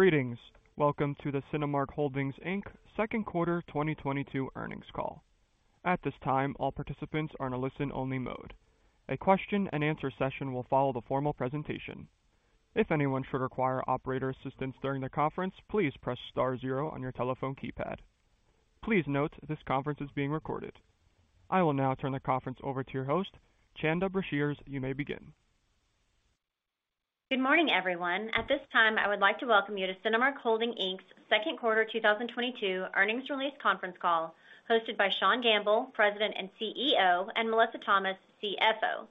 Greetings. Welcome to the Cinemark Holdings, Inc Second Quarter 2022 Earnings Call. At this time, all participants are in a listen-only mode. A question-and-answer session will follow the formal presentation. If anyone should require operator assistance during the conference, please press star zero on your telephone keypad. Please note this conference is being recorded. I will now turn the conference over to your host. Chanda Brashears, you may begin. Good morning, everyone. At this time, I would like to welcome you to Cinemark Holdings, Inc's Second Quarter 2022 Earnings release conference call hosted by Sean Gamble, President and CEO, and Melissa Thomas, CFO.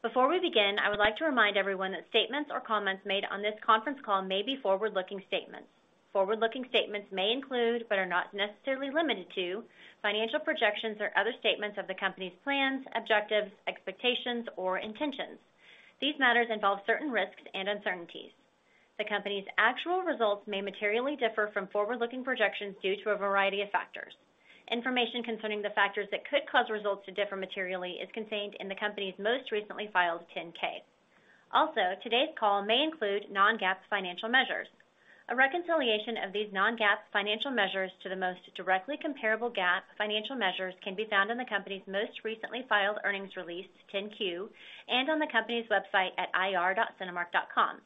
Before we begin, I would like to remind everyone that statements or comments made on this conference call may be forward-looking statements. Forward-looking statements may include, but are not necessarily limited to, financial projections or other statements of the company's plans, objectives, expectations, or intentions. These matters involve certain risks and uncertainties. The company's actual results may materially differ from forward-looking projections due to a variety of factors. Information concerning the factors that could cause results to differ materially is contained in the company's most recently filed 10-K. Also, today's call may include non-GAAP financial measures. A reconciliation of these non-GAAP financial measures to the most directly comparable GAAP financial measures can be found in the company's most recently filed earnings release, 10-Q, and on the company's website at ir.cinemark.com.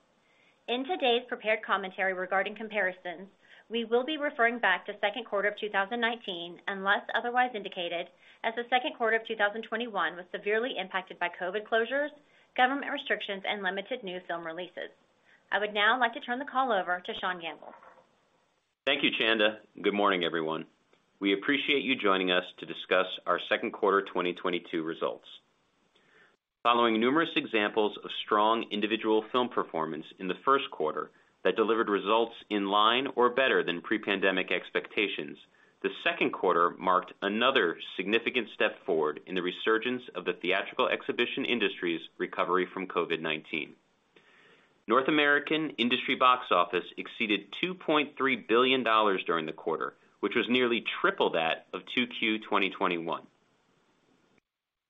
In today's prepared commentary regarding comparisons, we will be referring back to second quarter of 2019, unless otherwise indicated, as the second quarter of 2021 was severely impacted by COVID closures, government restrictions, and limited new film releases. I would now like to turn the call over to Sean Gamble. Thank you, Chanda. Good morning, everyone. We appreciate you joining us to discuss our second quarter 2022 results. Following numerous examples of strong individual film performance in the first quarter that delivered results in line or better than pre-pandemic expectations, the second quarter marked another significant step forward in the resurgence of the theatrical exhibition industry's recovery from COVID-19. North American industry box office exceeded $2.3 billion during the quarter, which was nearly triple that of 2Q 2021.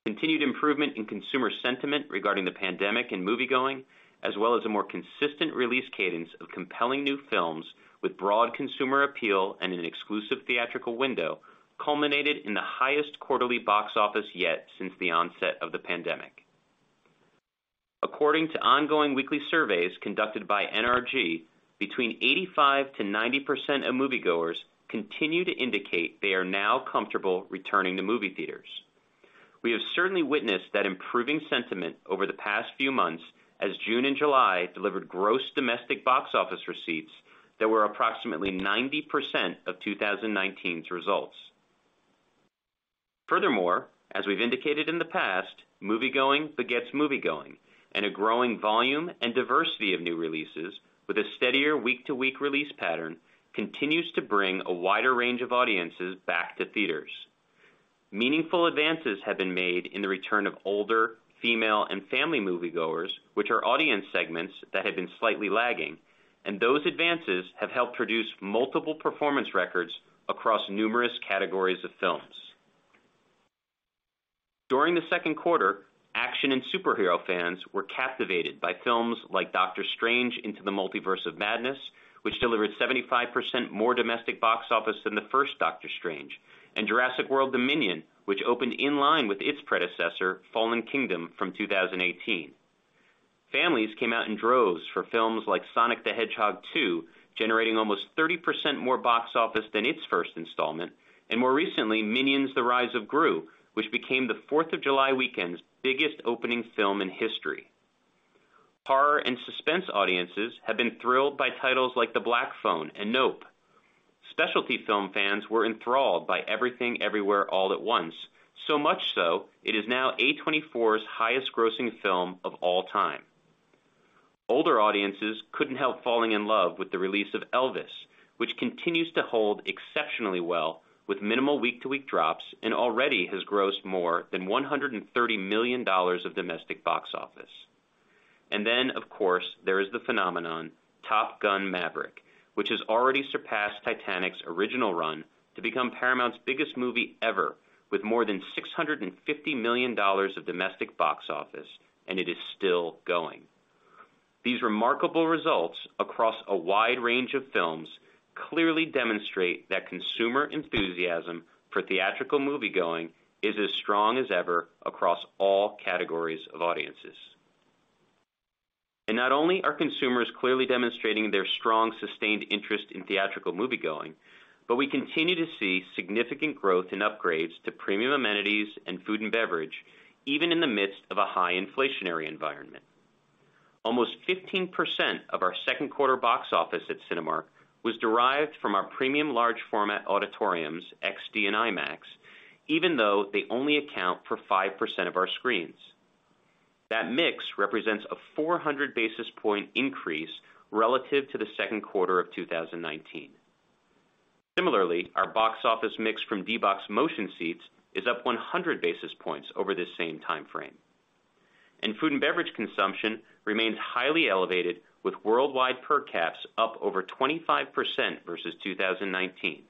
Continued improvement in consumer sentiment regarding the pandemic and moviegoing, as well as a more consistent release cadence of compelling new films with broad consumer appeal and an exclusive theatrical window culminated in the highest quarterly box office yet since the onset of the pandemic. According to ongoing weekly surveys conducted by NRG, 85%-90% of moviegoers continue to indicate they are now comfortable returning to movie theaters. We have certainly witnessed that improving sentiment over the past few months as June and July delivered gross domestic box office receipts that were approximately 90% of 2019's results. Furthermore, as we've indicated in the past, moviegoing begets moviegoing, and a growing volume and diversity of new releases with a steadier week-to-week release pattern continues to bring a wider range of audiences back to theaters. Meaningful advances have been made in the return of older female and family moviegoers, which are audience segments that have been slightly lagging, and those advances have helped produce multiple performance records across numerous categories of films. During the second quarter, action and superhero fans were captivated by films like Doctor Strange in the Multiverse of Madness, which delivered 75% more domestic box office than the first Doctor Strange, and Jurassic World Dominion, which opened in line with its predecessor, Jurassic World: Fallen Kingdom, from 2018. Families came out in droves for films like Sonic the Hedgehog 2, generating almost 30% more box office than its first installment, and more recently, Minions: The Rise of Gru, which became the Fourth of July weekend's biggest opening film in history. Horror and suspense audiences have been thrilled by titles like The Black Phone and Nope. Specialty film fans were enthralled by Everything Everywhere All at Once, so much so it is now A24's highest grossing film of all time. Older audiences couldn't help falling in love with the release of Elvis, which continues to hold exceptionally well with minimal week-to-week drops, and already has grossed more than $130 million of domestic box office. Then, of course, there is the phenomenon Top Gun: Maverick, which has already surpassed Titanic's original run to become Paramount's biggest movie ever with more than $650 million of domestic box office, and it is still going. These remarkable results across a wide range of films clearly demonstrate that consumer enthusiasm for theatrical moviegoing is as strong as ever across all categories of audiences. Not only are consumers clearly demonstrating their strong, sustained interest in theatrical moviegoing, but we continue to see significant growth in upgrades to premium amenities and food and beverage, even in the midst of a high inflationary environment. Almost 15% of our second quarter box office at Cinemark was derived from our premium large format auditoriums, XD and IMAX, even though they only account for 5% of our screens. That mix represents a 400 basis point increase relative to the second quarter of 2019. Similarly, our box office mix from D-BOX motion seats is up 100 basis points over the same timeframe. Food and beverage consumption remains highly elevated with worldwide per caps up over 25% versus 2019.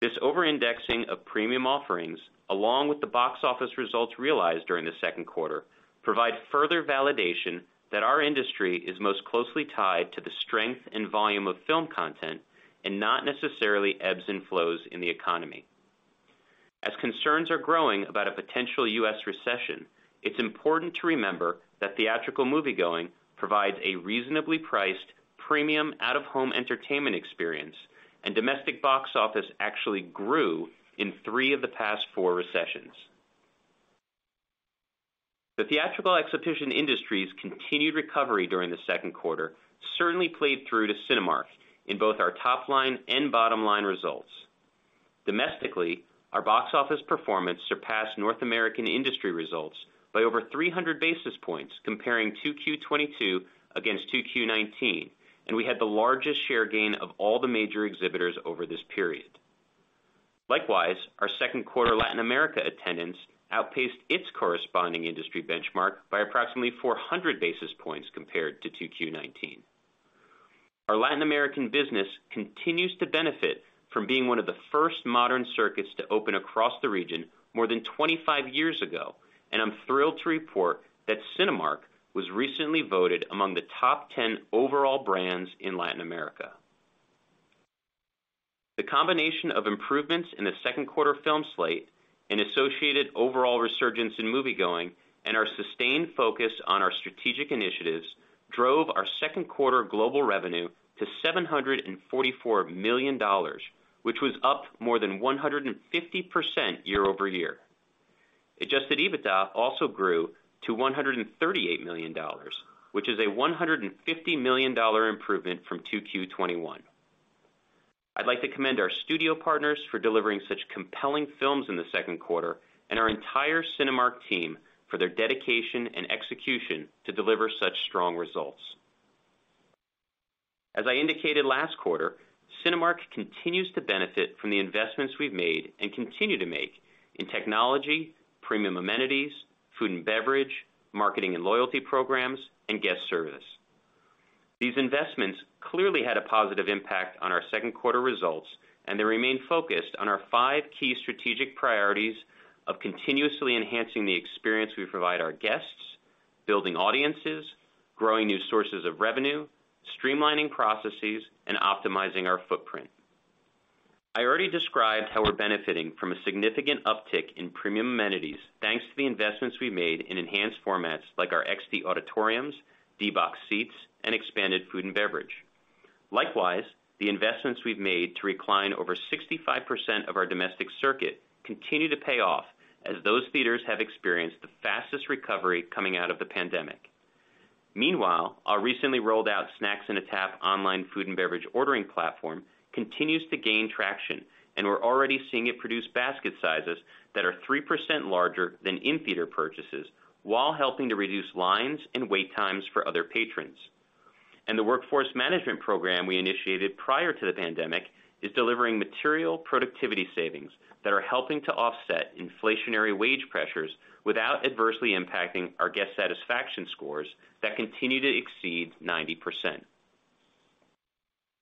This over-indexing of premium offerings, along with the box office results realized during the second quarter, provide further validation that our industry is most closely tied to the strength and volume of film content, and not necessarily ebbs and flows in the economy. As concerns are growing about a potential U.S. recession, it's important to remember that theatrical moviegoing provides a reasonably priced premium out-of-home entertainment experience, and domestic box office actually grew in three of the past four recessions. The theatrical exhibition industry's continued recovery during the second quarter certainly played through to Cinemark in both our top line and bottom-line results. Domestically, our box office performance surpassed North American industry results by over 300 basis points comparing 2Q 2022 against 2Q 2019, and we had the largest share gain of all the major exhibitors over this period. Likewise, our second quarter Latin America attendance outpaced its corresponding industry benchmark by approximately 400 basis points compared to 2Q 2019. Our Latin American business continues to benefit from being one of the first modern circuits to open across the region more than 25 years ago, and I'm thrilled to report that Cinemark was recently voted among the top ten overall brands in Latin America. The combination of improvements in the second quarter film slate and associated overall resurgence in moviegoing, and our sustained focus on our strategic initiatives drove our second quarter global revenue to $744 million, which was up more than 150% year-over-year. Adjusted EBITDA also grew to $138 million, which is a $150 million improvement from 2Q 2021. I'd like to commend our studio partners for delivering such compelling films in the second quarter and our entire Cinemark team for their dedication and execution to deliver such strong results. As I indicated last quarter, Cinemark continues to benefit from the investments we've made and continue to make in technology, premium amenities, food and beverage, marketing and loyalty programs, and guest service. These investments clearly had a positive impact on our second quarter results, and they remain focused on our five key strategic priorities of continuously enhancing the experience we provide our guests, building audiences, growing new sources of revenue, streamlining processes, and optimizing our footprint. I already described how we're benefiting from a significant uptick in premium amenities, thanks to the investments we made in enhanced formats like our XD auditoriums, D-BOX seats, and expanded food and beverage. Likewise, the investments we've made to recline over 65% of our domestic circuit continue to pay off as those theaters have experienced the fastest recovery coming out of the pandemic. Meanwhile, our recently rolled out Snacks in a Tap online food and beverage ordering platform continues to gain traction, and we're already seeing it produce basket sizes that are 3% larger than in-theater purchases while helping to reduce lines and wait times for other patrons. The workforce management program we initiated prior to the pandemic is delivering material productivity savings that are helping to offset inflationary wage pressures without adversely impacting our guest satisfaction scores that continue to exceed 90%.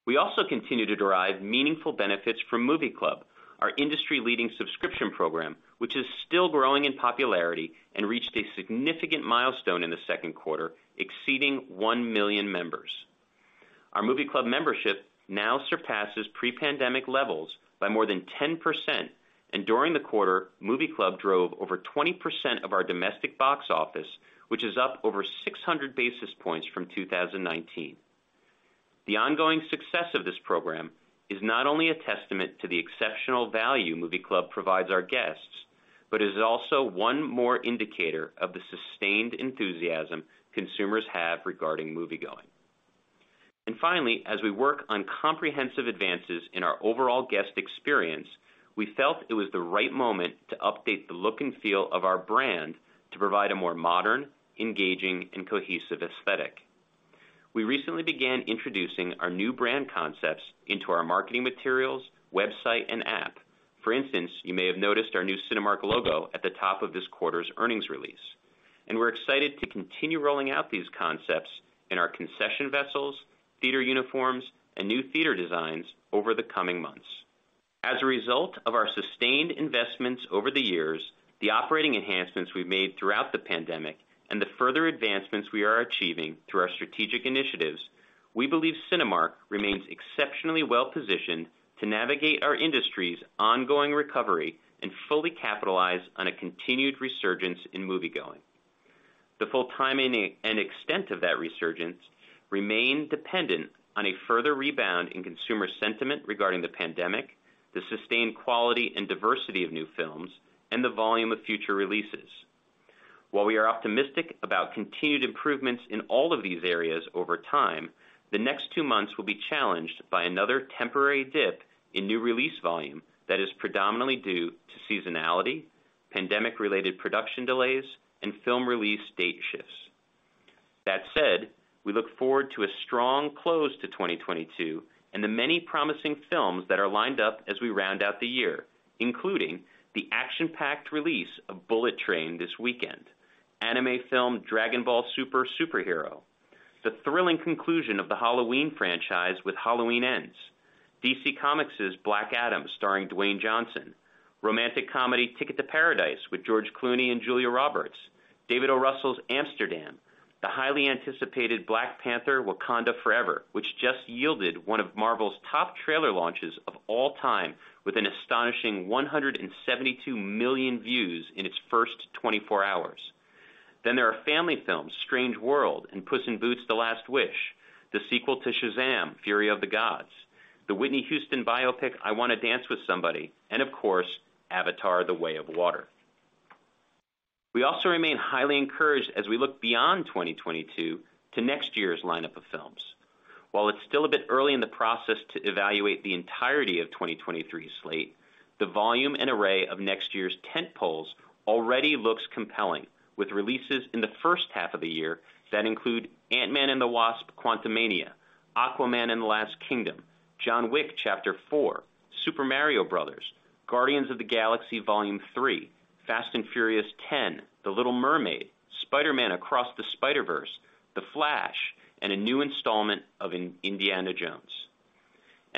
We also continue to derive meaningful benefits from Movie Club, our industry-leading subscription program, which is still growing in popularity and reached a significant milestone in the second quarter, exceeding 1 million members. Our Movie Club membership now surpasses pre-pandemic levels by more than 10%. During the quarter, Movie Club drove over 20% of our domestic box office, which is up over 600 basis points from 2019. The ongoing success of this program is not only a testament to the exceptional value Movie Club provides our guests, but is also one more indicator of the sustained enthusiasm consumers have regarding moviegoing. Finally, as we work on comprehensive advances in our overall guest experience, we felt it was the right moment to update the look and feel of our brand to provide a more modern, engaging, and cohesive aesthetic. We recently began introducing our new brand concepts into our marketing materials, website, and app. For instance, you may have noticed our new Cinemark logo at the top of this quarter's earnings release. We're excited to continue rolling out these concepts in our concession vessels, theater uniforms, and new theater designs over the coming months. As a result of our sustained investments over the years, the operating enhancements we've made throughout the pandemic, and the further advancements we are achieving through our strategic initiatives, we believe Cinemark remains exceptionally well-positioned to navigate our industry's ongoing recovery and fully capitalize on a continued resurgence in moviegoing. The full timing and extent of that resurgence remain dependent on a further rebound in consumer sentiment regarding the pandemic, the sustained quality and diversity of new films, and the volume of future releases. While we are optimistic about continued improvements in all of these areas over time, the next two months will be challenged by another temporary dip in new release volume that is predominantly due to seasonality, pandemic-related production delays, and film release date shifts. That said, we look forward to a strong close to 2022 and the many promising films that are lined up as we round out the year, including the action-packed release of Bullet Train this weekend, anime film Dragon Ball Super: Super Hero, the thrilling conclusion of the Halloween franchise with Halloween Ends, DC Comics' Black Adam, starring Dwayne Johnson, romantic comedy Ticket to Paradise with George Clooney and Julia Roberts, David O. Russell's Amsterdam, the highly anticipated Black Panther: Wakanda Forever, which just yielded one of Marvel's top trailer launches of all time, with an astonishing 172 million views in its first 24 hours. There are family films Strange World and Puss in Boots: The Last Wish, the sequel to Shazam! Fury of the Gods, the Whitney Houston: I Wanna Dance with Somebody biopic, and of course, Avatar: The Way of Water. We also remain highly encouraged as we look beyond 2022 to next year's lineup of films. While it's still a bit early in the process to evaluate the entirety of 2023's slate, the volume and array of next year's tentpoles already looks compelling, with releases in the first half of the year that include Ant-Man and the Wasp: Quantumania, Aquaman and the Lost Kingdom, John Wick: Chapter 4, Super Mario Bros., Guardians of the Galaxy Vol. 3, Fast X, The Little Mermaid, Spider-Man: Across the Spider-Verse, The Flash, and a new installment of Indiana Jones.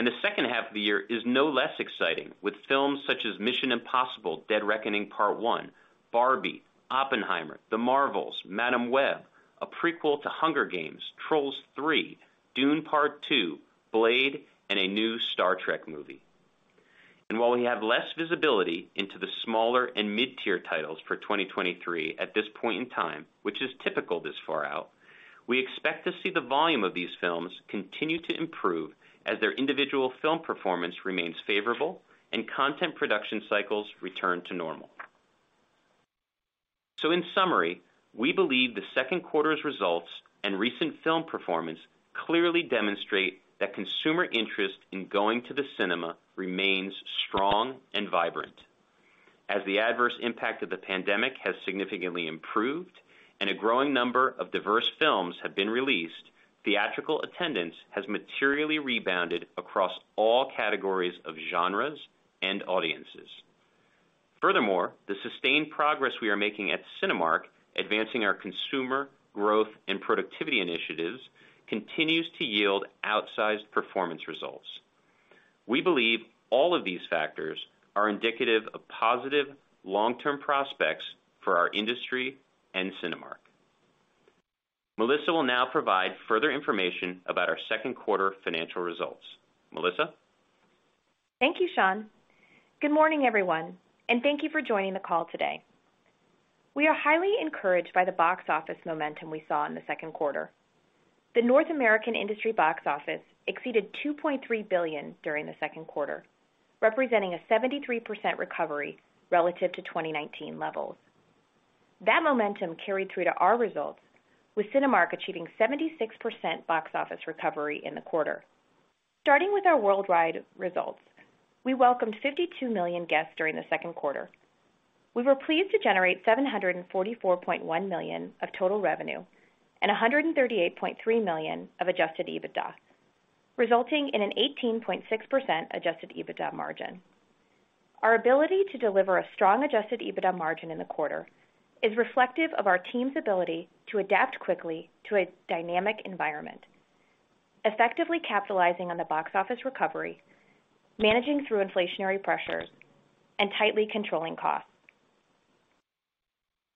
The second half of the year is no less exciting, with films such as Mission: Impossible – Dead Reckoning Part One, Barbie, Oppenheimer, The Marvels, Madame Web, a prequel to The Hunger Games, Trolls 3, Dune: Part Two, Blade, and a new Star Trek movie. While we have less visibility into the smaller and mid-tier titles for 2023 at this point in time, which is typical this far out, we expect to see the volume of these films continue to improve as their individual film performance remains favorable and content production cycles return to normal. In summary, we believe the second quarter's results and recent film performance clearly demonstrate that consumer interest in going to the cinema remains strong and vibrant. As the adverse impact of the pandemic has significantly improved and a growing number of diverse films have been released, theatrical attendance has materially rebounded across all categories of genres and audiences. Furthermore, the sustained progress we are making at Cinemark, advancing our consumer growth and productivity initiatives, continues to yield outsized performance results. We believe all of these factors are indicative of positive long-term prospects for our industry and Cinemark. Melissa will now provide further information about our second quarter financial results. Melissa. Thank you, Sean. Good morning, everyone, and thank you for joining the call today. We are highly encouraged by the box office momentum we saw in the second quarter. The North American industry box office exceeded $2.3 billion during the second quarter, representing a 73% recovery relative to 2019 levels. That momentum carried through to our results, with Cinemark achieving 76% box office recovery in the quarter. Starting with our worldwide results, we welcomed 52 million guests during the second quarter. We were pleased to generate $744.1 million of total revenue and $138.3 million of Adjusted EBITDA, resulting in an 18.6% Adjusted EBITDA margin. Our ability to deliver a strong Adjusted EBITDA margin in the quarter is reflective of our team's ability to adapt quickly to a dynamic environment, effectively capitalizing on the box office recovery, managing through inflationary pressures, and tightly controlling costs.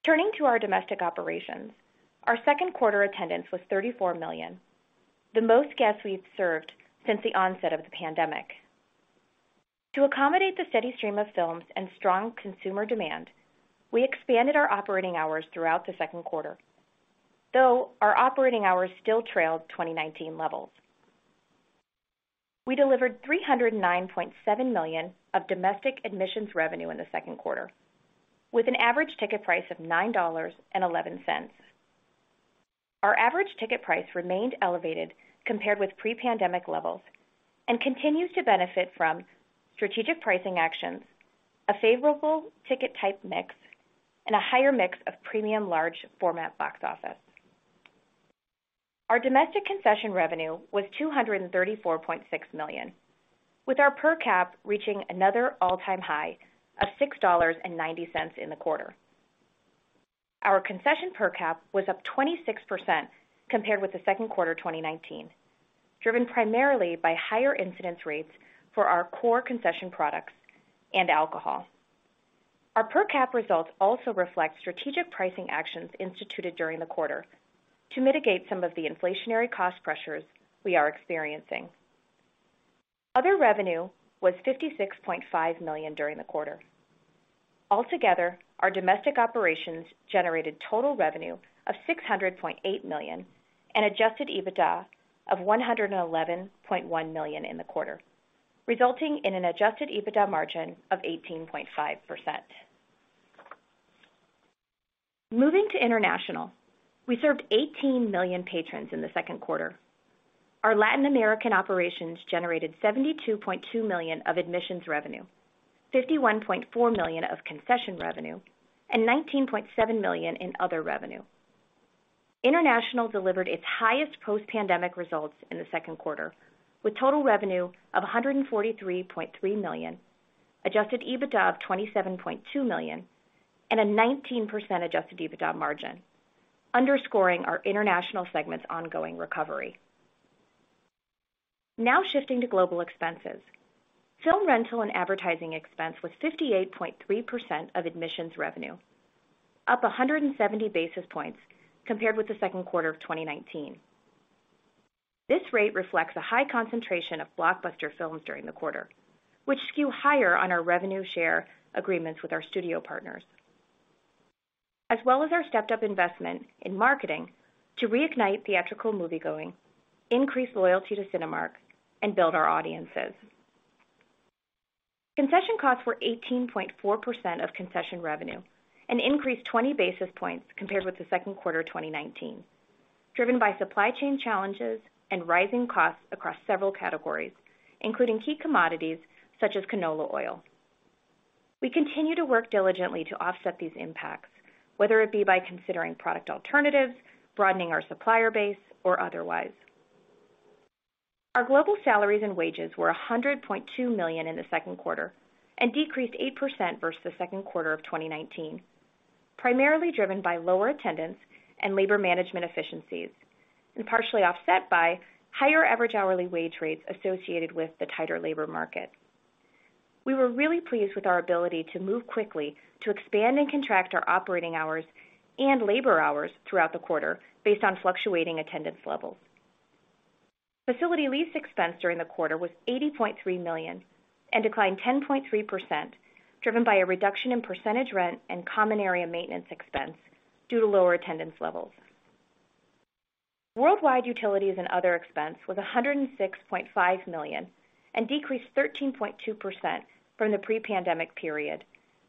Turning to our domestic operations, our second quarter attendance was 34 million, the most guests we've served since the onset of the pandemic. To accommodate the steady stream of films and strong consumer demand, we expanded our operating hours throughout the second quarter, though our operating hours still trailed 2019 levels. We delivered $309.7 million of domestic admissions revenue in the second quarter, with an average ticket price of $9.11. Our average ticket price remained elevated compared with pre-pandemic levels and continues to benefit from strategic pricing actions, a favorable ticket type mix, and a higher mix of premium large format box office. Our domestic concession revenue was $234.6 million, with our per cap reaching another all-time high of $6.90 in the quarter. Our concession per cap was up 26% compared with the second quarter of 2019, driven primarily by higher incidence rates for our core concession products and alcohol. Our per cap results also reflect strategic pricing actions instituted during the quarter to mitigate some of the inflationary cost pressures we are experiencing. Other revenue was $56.5 million during the quarter. Altogether, our domestic operations generated total revenue of $600.8 million and Adjusted EBITDA of $111.1 million in the quarter, resulting in an Adjusted EBITDA margin of 18.5%. Moving to international, we served 18 million patrons in the second quarter. Our Latin American operations generated $72.2 million of admissions revenue, $51.4 million of concession revenue, and $19.7 million in other revenue. International delivered its highest post-pandemic results in the second quarter, with total revenue of $143.3 million, Adjusted EBITDA of $27.2 million and a 19% Adjusted EBITDA margin underscoring our international segment's ongoing recovery. Now shifting to global expenses. Film rental and advertising expense was 58.3% of admissions revenue, up 170 basis points compared with the second quarter of 2019. This rate reflects a high concentration of blockbuster films during the quarter, which skew higher on our revenue share agreements with our studio partners. As well as our stepped-up investment in marketing to reignite theatrical moviegoing, increase loyalty to Cinemark, and build our audiences. Concession costs were 18.4% of concession revenue and increased 20 basis points compared with the second quarter of 2019, driven by supply chain challenges and rising costs across several categories, including key commodities such as canola oil. We continue to work diligently to offset these impacts, whether it be by considering product alternatives, broadening our supplier base, or otherwise. Our global salaries and wages were $102.2 million in the second quarter and decreased 8% versus the second quarter of 2019. Primarily driven by lower attendance and labor management efficiencies, and partially offset by higher average hourly wage rates associated with the tighter labor market. We were really pleased with our ability to move quickly to expand and contract our operating hours and labor hours throughout the quarter based on fluctuating attendance levels. Facility lease expense during the quarter was $80.3 million and declined 10.3%, driven by a reduction in percentage rent and common area maintenance expense due to lower attendance levels. Worldwide utilities and other expense was $106.5 million and decreased 13.2% from the pre-pandemic period,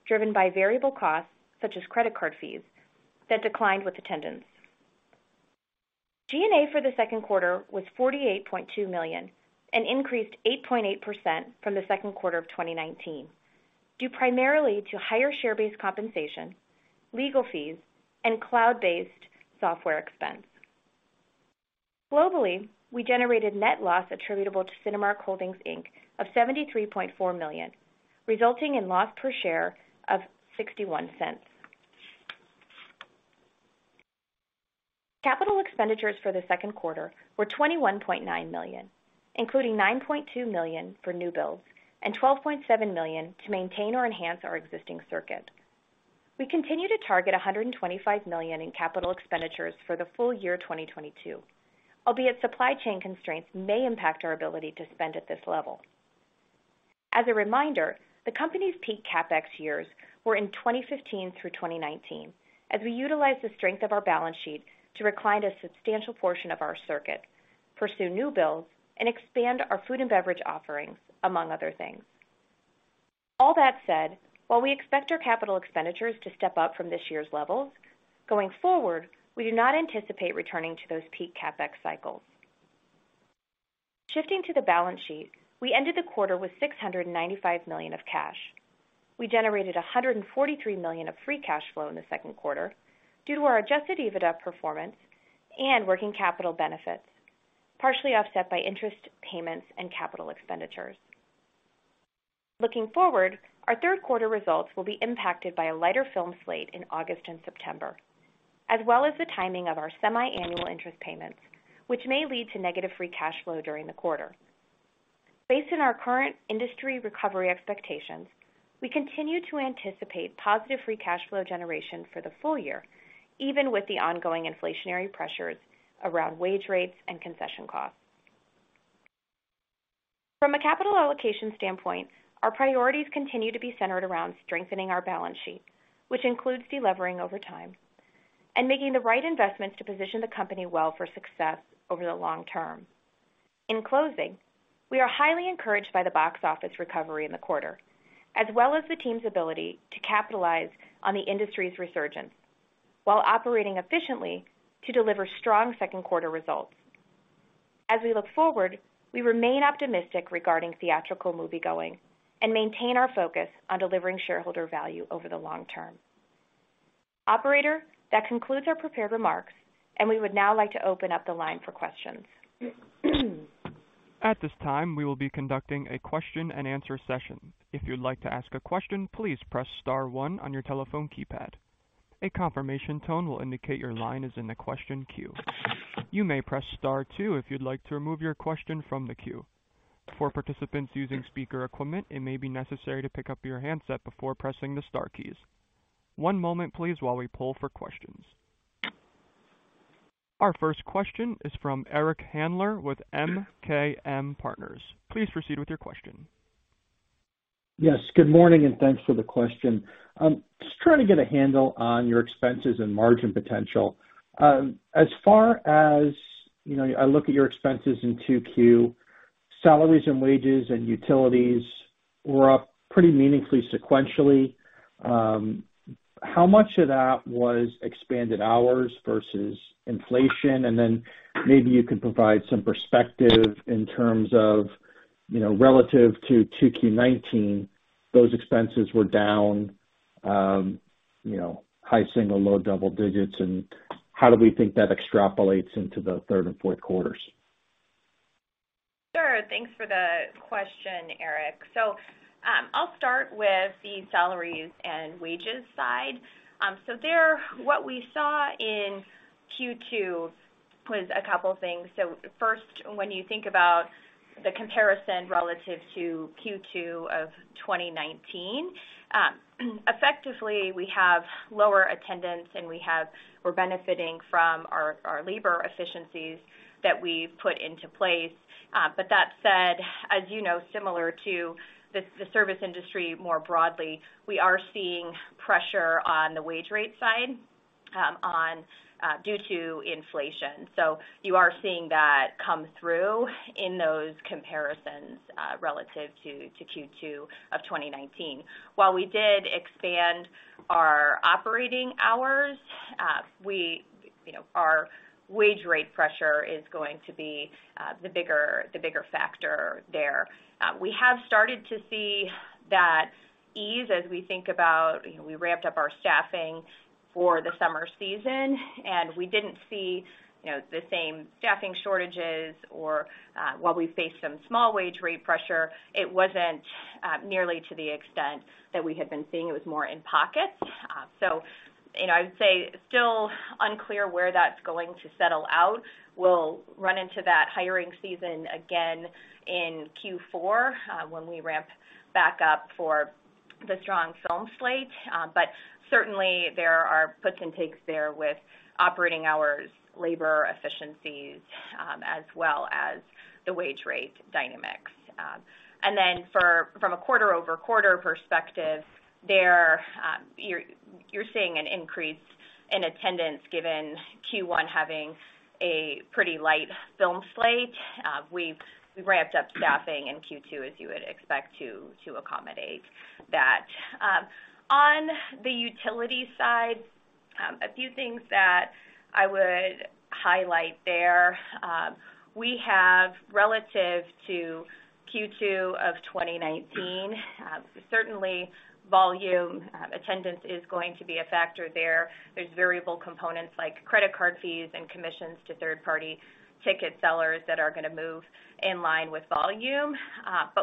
driven by variable costs such as credit card fees that declined with attendance. G&A for the second quarter was $48.2 million and increased 8.8% from the second quarter of 2019. Due primarily to higher share-based compensation, legal fees, and cloud-based software expense. Globally, we generated net loss attributable to Cinemark Holdings, Inc. of $73.4 million, resulting in loss per share of $0.61. Capital expenditures for the second quarter were $21.9 million, including $9.2 million for new builds and $12.7 million to maintain or enhance our existing circuit. We continue to target $125 million in capital expenditures for the full year 2022. Albeit supply chain constraints may impact our ability to spend at this level. As a reminder, the company's peak CapEx years were in 2015 through 2019, as we utilized the strength of our balance sheet to recliner a substantial portion of our circuit, pursue new builds, and expand our food and beverage offerings, among other things. All that said, while we expect our capital expenditures to step up from this year's levels, going forward, we do not anticipate returning to those peak CapEx cycles. Shifting to the balance sheet, we ended the quarter with $695 million of cash. We generated $143 million of free cash flow in the second quarter due to our Adjusted EBITDA performance and working capital benefits, partially offset by interest payments and capital expenditures. Looking forward, our third quarter results will be impacted by a lighter film slate in August and September, as well as the timing of our semi-annual interest payments, which may lead to negative free cash flow during the quarter. Based on our current industry recovery expectations, we continue to anticipate positive free cash flow generation for the full year, even with the ongoing inflationary pressures around wage rates and concession costs. From a capital allocation standpoint, our priorities continue to be centered around strengthening our balance sheet, which includes delevering over time and making the right investments to position the company well for success over the long term. In closing, we are highly encouraged by the box office recovery in the quarter, as well as the team's ability to capitalize on the industry's resurgence while operating efficiently to deliver strong second quarter results. As we look forward, we remain optimistic regarding theatrical moviegoing and maintain our focus on delivering shareholder value over the long term. Operator, that concludes our prepared remarks, and we would now like to open up the line for questions. At this time, we will be conducting a question and answer session. If you'd like to ask a question, please press star one on your telephone keypad. A confirmation tone will indicate your line is in the question queue. You may press star two if you'd like to remove your question from the queue. For participants using speaker equipment, it may be necessary to pick up your handset before pressing the star keys. One moment please while we pull for questions. Our first question is from Eric Handler with MKM Partners. Please proceed with your question. Yes, good morning, and thanks for the question. I'm just trying to get a handle on your expenses and margin potential. As far as you know, I look at your expenses in 2Q, salaries and wages and utilities were up pretty meaningfully sequentially. How much of that was expanded hours versus inflation? And then maybe you could provide some perspective in terms of, you know, relative to 2Q 2019, those expenses were down, you know, high single digits, low double digits. And how do we think that extrapolates into the third and fourth quarters? Thanks for the question, Eric. I'll start with the salaries and wages side. There, what we saw in Q2 was a couple things. First, when you think about the comparison relative to Q2 of 2019, effectively, we have lower attendance, and we're benefiting from our labor efficiencies that we've put into place. But that said, as you know, similar to the service industry more broadly, we are seeing pressure on the wage rate side, due to inflation. You are seeing that come through in those comparisons, relative to Q2 of 2019. While we did expand our operating hours, you know, our wage rate pressure is going to be the bigger factor there. We have started to see that ease as we think about, you know, we ramped up our staffing for the summer season, and we didn't see, you know, the same staffing shortages or, while we faced some small wage rate pressure, it wasn't nearly to the extent that we had been seeing. It was more in pockets. You know, I would say still unclear where that's going to settle out. We'll run into that hiring season again in Q4, when we ramp back up for the strong film slate. Certainly there are puts and takes there with operating hours, labor efficiencies, as well as the wage rate dynamics. Then from a quarter-over-quarter perspective there, you're seeing an increase in attendance given Q1 having a pretty light film slate. We've ramped up staffing in Q2, as you would expect to accommodate that. On the utility side, a few things that I would highlight there. We have relative to Q2 of 2019, certainly volume, attendance is going to be a factor there. There's variable components like credit card fees and commissions to third-party ticket sellers that are gonna move in line with volume.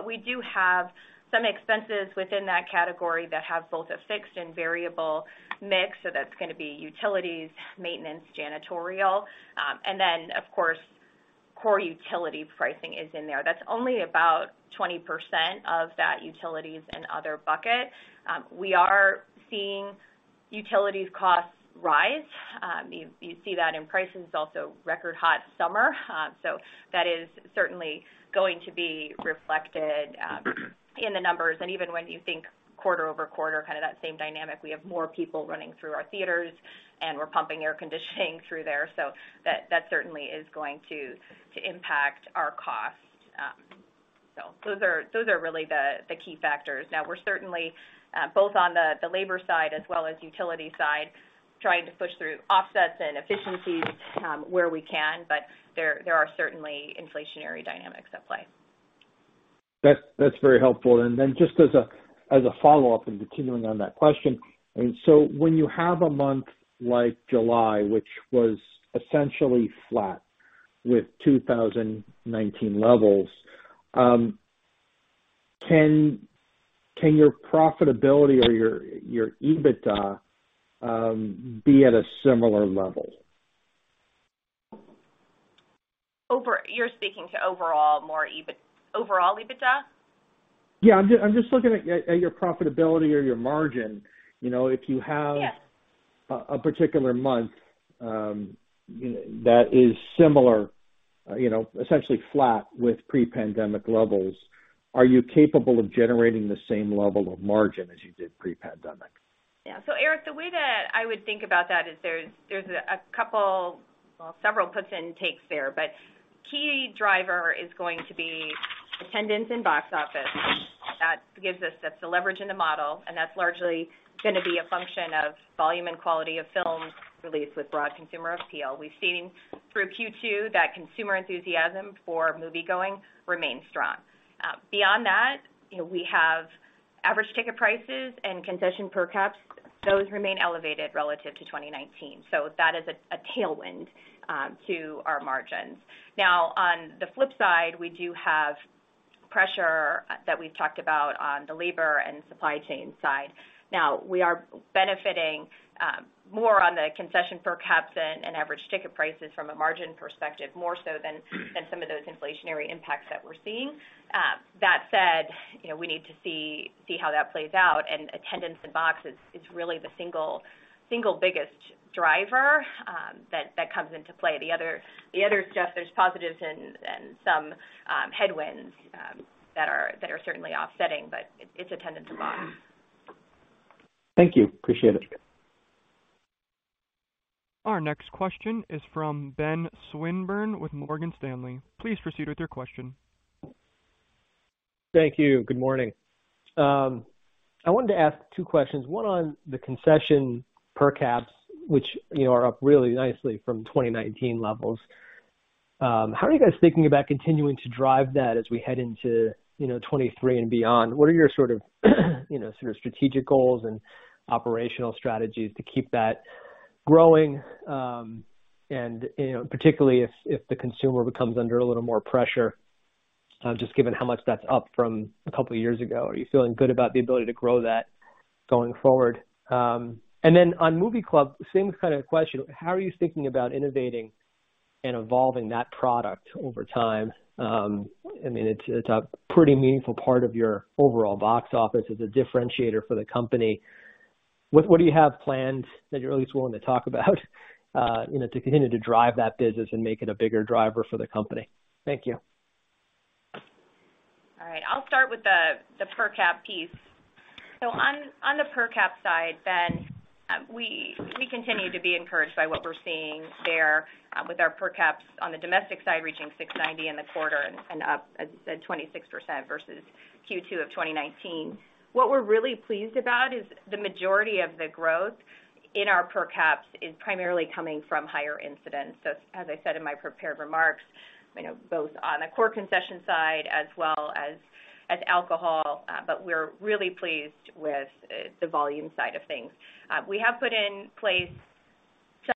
We do have some expenses within that category that have both a fixed and variable mix. That's gonna be utilities, maintenance, janitorial, and then of course, core utility pricing is in there. That's only about 20% of that utilities and other bucket. We are seeing utilities costs rise. You see that in prices. Also record hot summer. That is certainly going to be reflected in the numbers. Even when you think quarter-over-quarter, kind of that same dynamic, we have more people running through our theaters, and we're pumping air conditioning through there. That certainly is going to impact our costs. Those are really the key factors. We're certainly both on the labor side as well as utility side, trying to push through offsets and efficiencies where we can, but there are certainly inflationary dynamics at play. That's very helpful. Just as a follow-up and continuing on that question. When you have a month like July, which was essentially flat with 2019 levels, can your profitability or your EBITDA be at a similar level? You're speaking to overall more EBITDA? Yeah, I'm just looking at your profitability or your margin. You know, if you have Yes. In a particular month, you know, that is similar, you know, essentially flat with pre-pandemic levels, are you capable of generating the same level of margin as you did pre-pandemic? Yeah. Eric, the way that I would think about that is there are several puts and takes there, but key driver is going to be attendance in box office. That gives us, that's the leverage in the model, and that's largely gonna be a function of volume and quality of films released with broad consumer appeal. We've seen through Q2 that consumer enthusiasm for moviegoing remains strong. Beyond that, you know, we have average ticket prices and concession per caps. Those remain elevated relative to 2019. That is a tailwind to our margins. Now, on the flip side, we do have pressure that we've talked about on the labor and supply chain side. Now, we are benefiting more on the concession per caps and average ticket prices from a margin perspective, more so than some of those inflationary impacts that we're seeing. That said, you know, we need to see how that plays out. Attendance and box is really the single biggest driver that comes into play. The other stuff, there's positives and some headwinds that are certainly offsetting, but it's attendance and box. Thank you. Appreciate it. Our next question is from Benjamin Swinburne with Morgan Stanley. Please proceed with your question. Thank you. Good morning. I wanted to ask two questions, one on the concession per caps, which, you know, are up really nicely from 2019 levels. How are you guys thinking about continuing to drive that as we head into, you know, 2023 and beyond? What are your sort of, you know, sort of strategic goals and operational strategies to keep that growing, and, you know, particularly if the consumer becomes under a little more pressure, just given how much that's up from a couple of years ago. Are you feeling good about the ability to grow that going forward? Then on Movie Club, same kind of question, how are you thinking about innovating and evolving that product over time? I mean, it's a pretty meaningful part of your overall box office. It's a differentiator for the company. What do you have planned that you're at least willing to talk about, you know, to continue to drive that business and make it a bigger driver for the company? Thank you. All right, I'll start with the per cap piece. On the per cap side, Ben, we continue to be encouraged by what we're seeing there, with our per caps on the domestic side reaching $6.90 in the quarter and up, as you said, 26% versus Q2 of 2019. What we're really pleased about is the majority of the growth in our per caps is primarily coming from higher incidence. As I said in my prepared remarks, you know, both on the core concession side as well as alcohol. We have put in place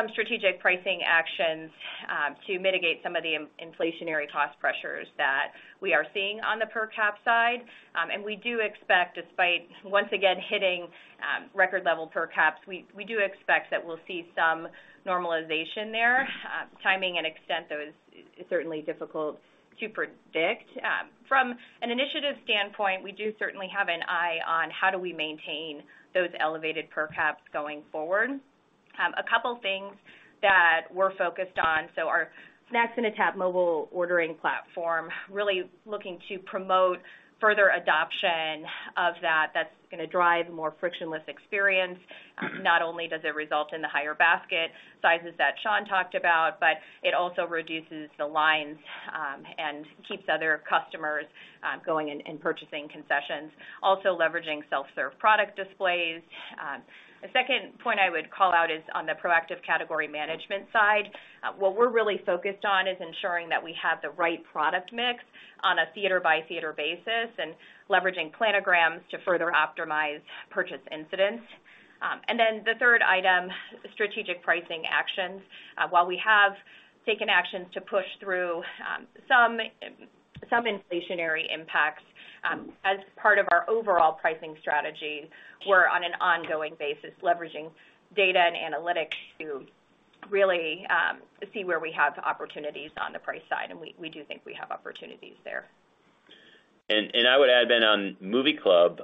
some strategic pricing actions to mitigate some of the inflationary cost pressures that we are seeing on the per cap side. We do expect, despite once again hitting record level per caps, we do expect that we'll see some normalization there. Timing and extent though is certainly difficult to predict. From an initiative standpoint, we do certainly have an eye on how do we maintain those elevated per caps going forward. A couple things that we're focused on. Our Snacks in a Tap mobile ordering platform, really looking to promote further adoption of that. That's gonna drive more frictionless experience. Not only does it result in the higher basket sizes that Sean talked about, but it also reduces the lines and keeps other customers going and purchasing concessions. Also leveraging self-serve product displays. The second point I would call out is on the proactive category management side. What we're really focused on is ensuring that we have the right product mix on a theater-by-theater basis, and leveraging planograms to further optimize purchase incidents. The third item, strategic pricing actions. While we have taken actions to push through some inflationary impacts, as part of our overall pricing strategy, we're on an ongoing basis leveraging data and analytics to really see where we have opportunities on the price side, and we do think we have opportunities there. I would add, Ben, on Movie Club,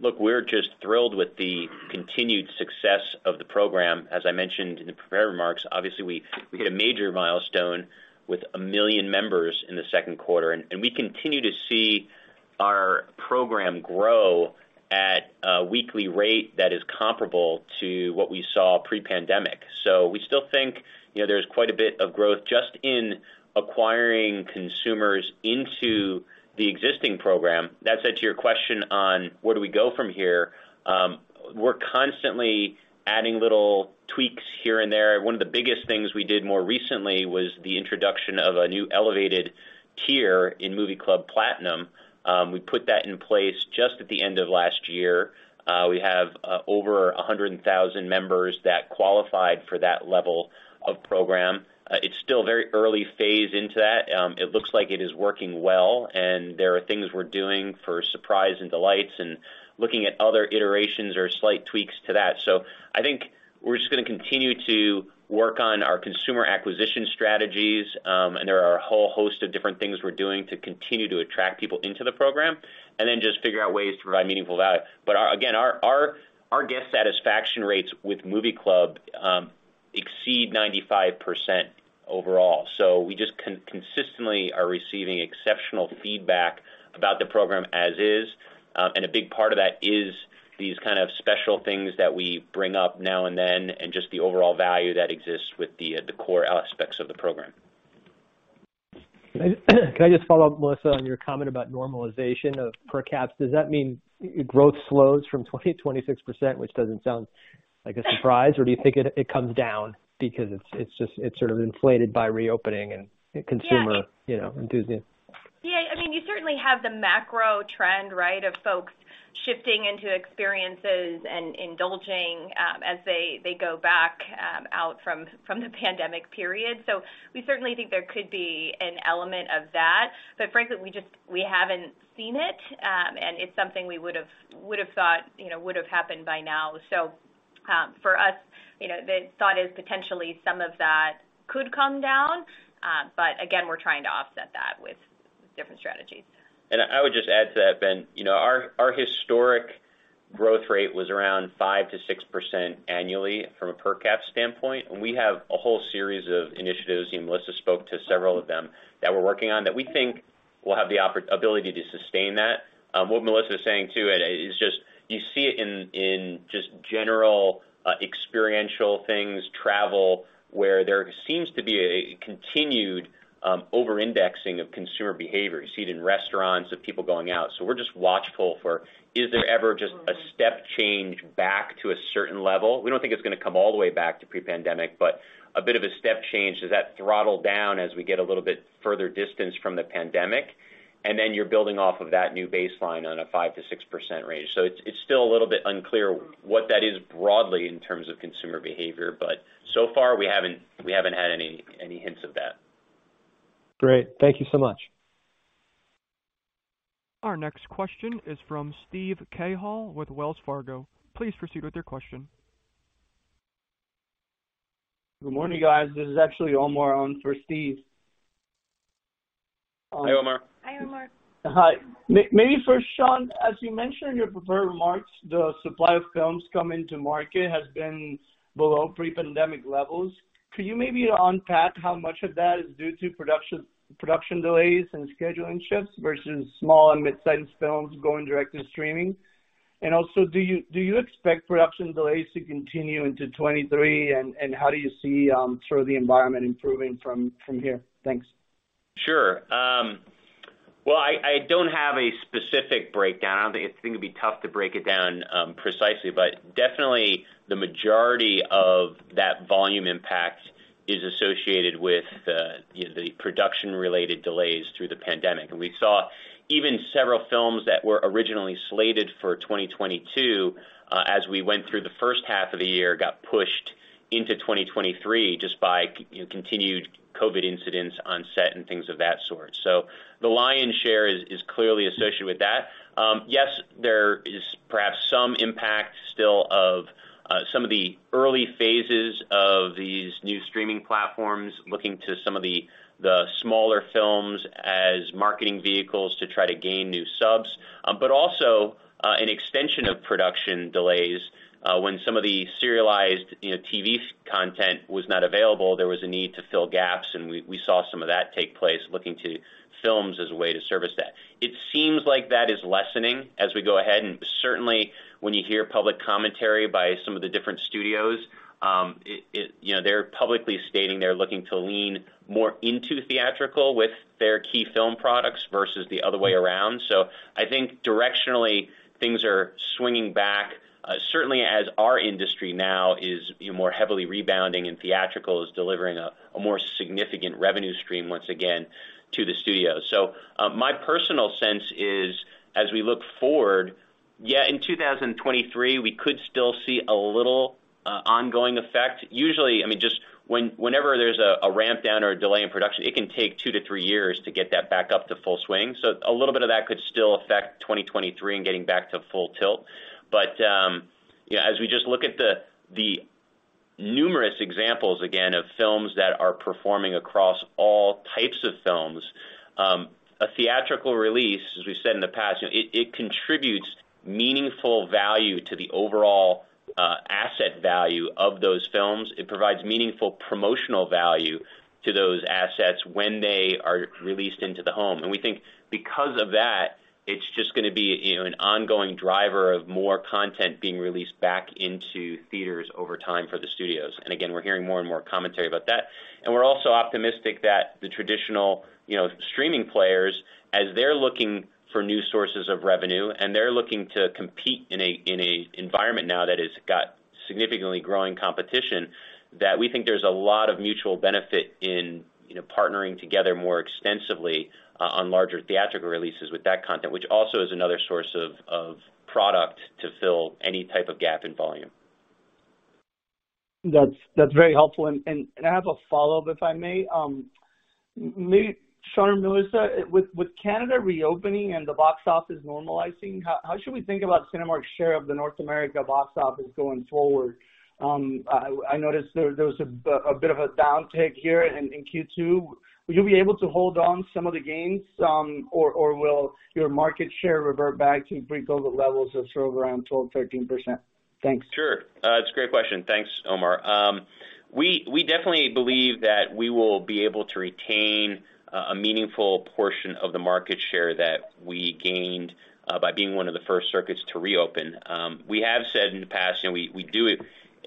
look, we're just thrilled with the continued success of the program. As I mentioned in the prepared remarks, obviously we hit a major milestone with 1 million members in the second quarter, and we continue to see our program grow at a weekly rate that is comparable to what we saw pre-pandemic. We still think, you know, there's quite a bit of growth just in acquiring consumers into the existing program. That said, to your question on where do we go from here, we're constantly adding little tweaks here and there. One of the biggest things we did more recently was the introduction of a new elevated tier in Movie Club Platinum. We put that in place just at the end of last year. We have over 100,000 members that qualified for that level of program. It's still very early phase into that. It looks like it is working well, and there are things we're doing for surprise and delights and looking at other iterations or slight tweaks to that. I think we're just gonna continue to work on our consumer acquisition strategies. There are a whole host of different things we're doing to continue to attract people into the program and then just figure out ways to provide meaningful value. Again, our guest satisfaction rates with Movie Club exceed 95% overall. We just consistently are receiving exceptional feedback about the program as is. A big part of that is these kind of special things that we bring up now and then, and just the overall value that exists with the core aspects of the program. Can I just follow up, Melissa, on your comment about normalization of per caps? Does that mean growth slows from 20%-26%, which doesn't sound like a surprise? Or do you think it comes down because it's just sort of inflated by reopening and consumer- Yeah. You know, enthusiasm? Yeah. I mean, you certainly have the macro trend, right, of folks shifting into experiences and indulging, as they go back out from the pandemic period. We certainly think there could be an element of that. Frankly, we just haven't seen it. It's something we would've thought, you know, would've happened by now. For us, you know, the thought is potentially some of that could come down. Again, we're trying to offset that with different strategies. I would just add to that, Ben, you know, our historic growth rate was around 5%-6% annually from a per cap standpoint. We have a whole series of initiatives, you know, Melissa spoke to several of them, that we're working on that we think will have the opportunity to sustain that. What Melissa is saying, too, it is just you see it in just general experiential things, travel, where there seems to be a continued over-indexing of consumer behavior. You see it in restaurants, of people going out. We're just watchful for, is there ever just a step change back to a certain level? We don't think it's gonna come all the way back to pre-pandemic, but a bit of a step change. Does that throttle down as we get a little bit further distance from the pandemic? Then you're building off of that new baseline on a 5%-6% range. It's still a little bit unclear what that is broadly in terms of consumer behavior, but so far we haven't had any hints of that. Great. Thank you so much. Our next question is from Steven Cahall with Wells Fargo. Please proceed with your question. Good morning, guys. This is actually Omar on for Steve. Hi, Omar. Hi, Omar. Hi. Maybe for Sean, as you mentioned in your prepared remarks, the supply of films coming to market has been below pre-pandemic levels. Could you maybe unpack how much of that is due to production delays and scheduling shifts versus small and midsize films going direct to streaming? Do you expect production delays to continue into 2023, and how do you see sort of the environment improving from here? Thanks. Sure. Well, I don't have a specific breakdown. I think it'd be tough to break it down precisely, but definitely the majority of that volume impact is associated with the, you know, the production-related delays through the pandemic. We saw even several films that were originally slated for 2022, as we went through the first half of the year, got pushed into 2023 just by, you know, continued COVID incidents on set and things of that sort. The lion's share is clearly associated with that. Yes, there is perhaps some impact still of some of the early phases of these new streaming platforms, looking to some of the smaller films as marketing vehicles to try to gain new subs. Also, an extension of production delays, when some of the serialized, you know, TV content was not available, there was a need to fill gaps, and we saw some of that take place, looking to films as a way to service that. It seems like that is lessening as we go ahead, and certainly when you hear public commentary by some of the different studios, you know, they're publicly stating they're looking to lean more into theatrical with their key film products versus the other way around. I think directionally, things are swinging back, certainly as our industry now is, you know, more heavily rebounding and theatrical is delivering a more significant revenue stream once again to the studios. My personal sense is, as we look forward, yeah, in 2023, we could still see a little ongoing effect. Usually, I mean, just whenever there's a ramp down or a delay in production, it can take two to three years to get that back up to full swing. A little bit of that could still affect 2023 in getting back to full tilt. You know, as we just look at the numerous examples, again, of films that are performing across all types of films, a theatrical release, as we've said in the past, you know, it contributes meaningful value to the overall asset value of those films. It provides meaningful promotional value to those assets when they are released into the home. We think because of that, it's just gonna be, you know, an ongoing driver of more content being released back into theaters over time for the studios. Again, we're hearing more and more commentary about that. We're also optimistic that the traditional, you know, streaming players, as they're looking for new sources of revenue, and they're looking to compete in an environment now that has got significantly growing competition, that we think there's a lot of mutual benefit in, you know, partnering together more extensively on larger theatrical releases with that content, which also is another source of product to fill any type of gap in volume. That's very helpful. I have a follow-up, if I may. Sean or Melissa, with Canada reopening and the box office normalizing, how should we think about Cinemark's share of the North America box office going forward? I noticed there was a bit of a downtick here in Q2. Will you be able to hold on some of the gains, or will your market share revert back to pre-COVID levels of sort of around 12, 13%? Thanks. Sure. It's a great question. Thanks, Omar. We definitely believe that we will be able to retain a meaningful portion of the market share that we gained by being one of the first circuits to reopen. We have said in the past, and we do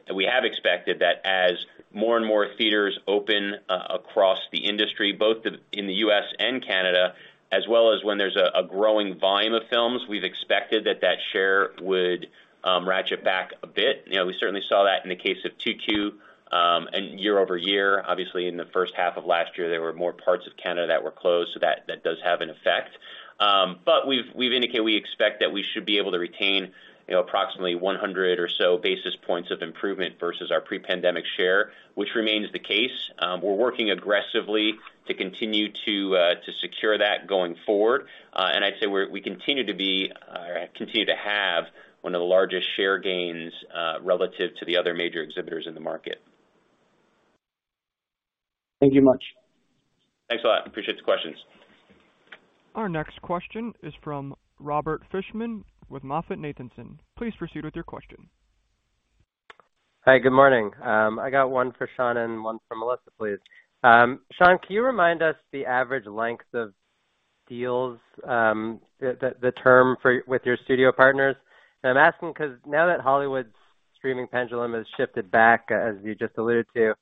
and we have expected that as more and more theaters open across the industry, both in the U.S. and Canada, as well as when there's a growing volume of films, we've expected that share would ratchet back a bit. You know, we certainly saw that in the case of 2Q and year-over-year. Obviously, in the first half of last year, there were more parts of Canada that were closed, so that does have an effect. We've indicated we expect that we should be able to retain, you know, approximately 100 or so basis points of improvement versus our pre-pandemic share, which remains the case. We're working aggressively to continue to secure that going forward. I'd say we continue to be, or continue to have, one of the largest share gains relative to the other major exhibitors in the market. Thank you much. Thanks a lot. Appreciate the questions. Our next question is from Robert Fishman with MoffettNathanson. Please proceed with your question. Hi, good morning. I got one for Sean and one for Melissa, please. Sean, can you remind us the average length of deals, the term for with your studio partners? I'm asking 'cause now that Hollywood's streaming pendulum has shifted back, as you just alluded to,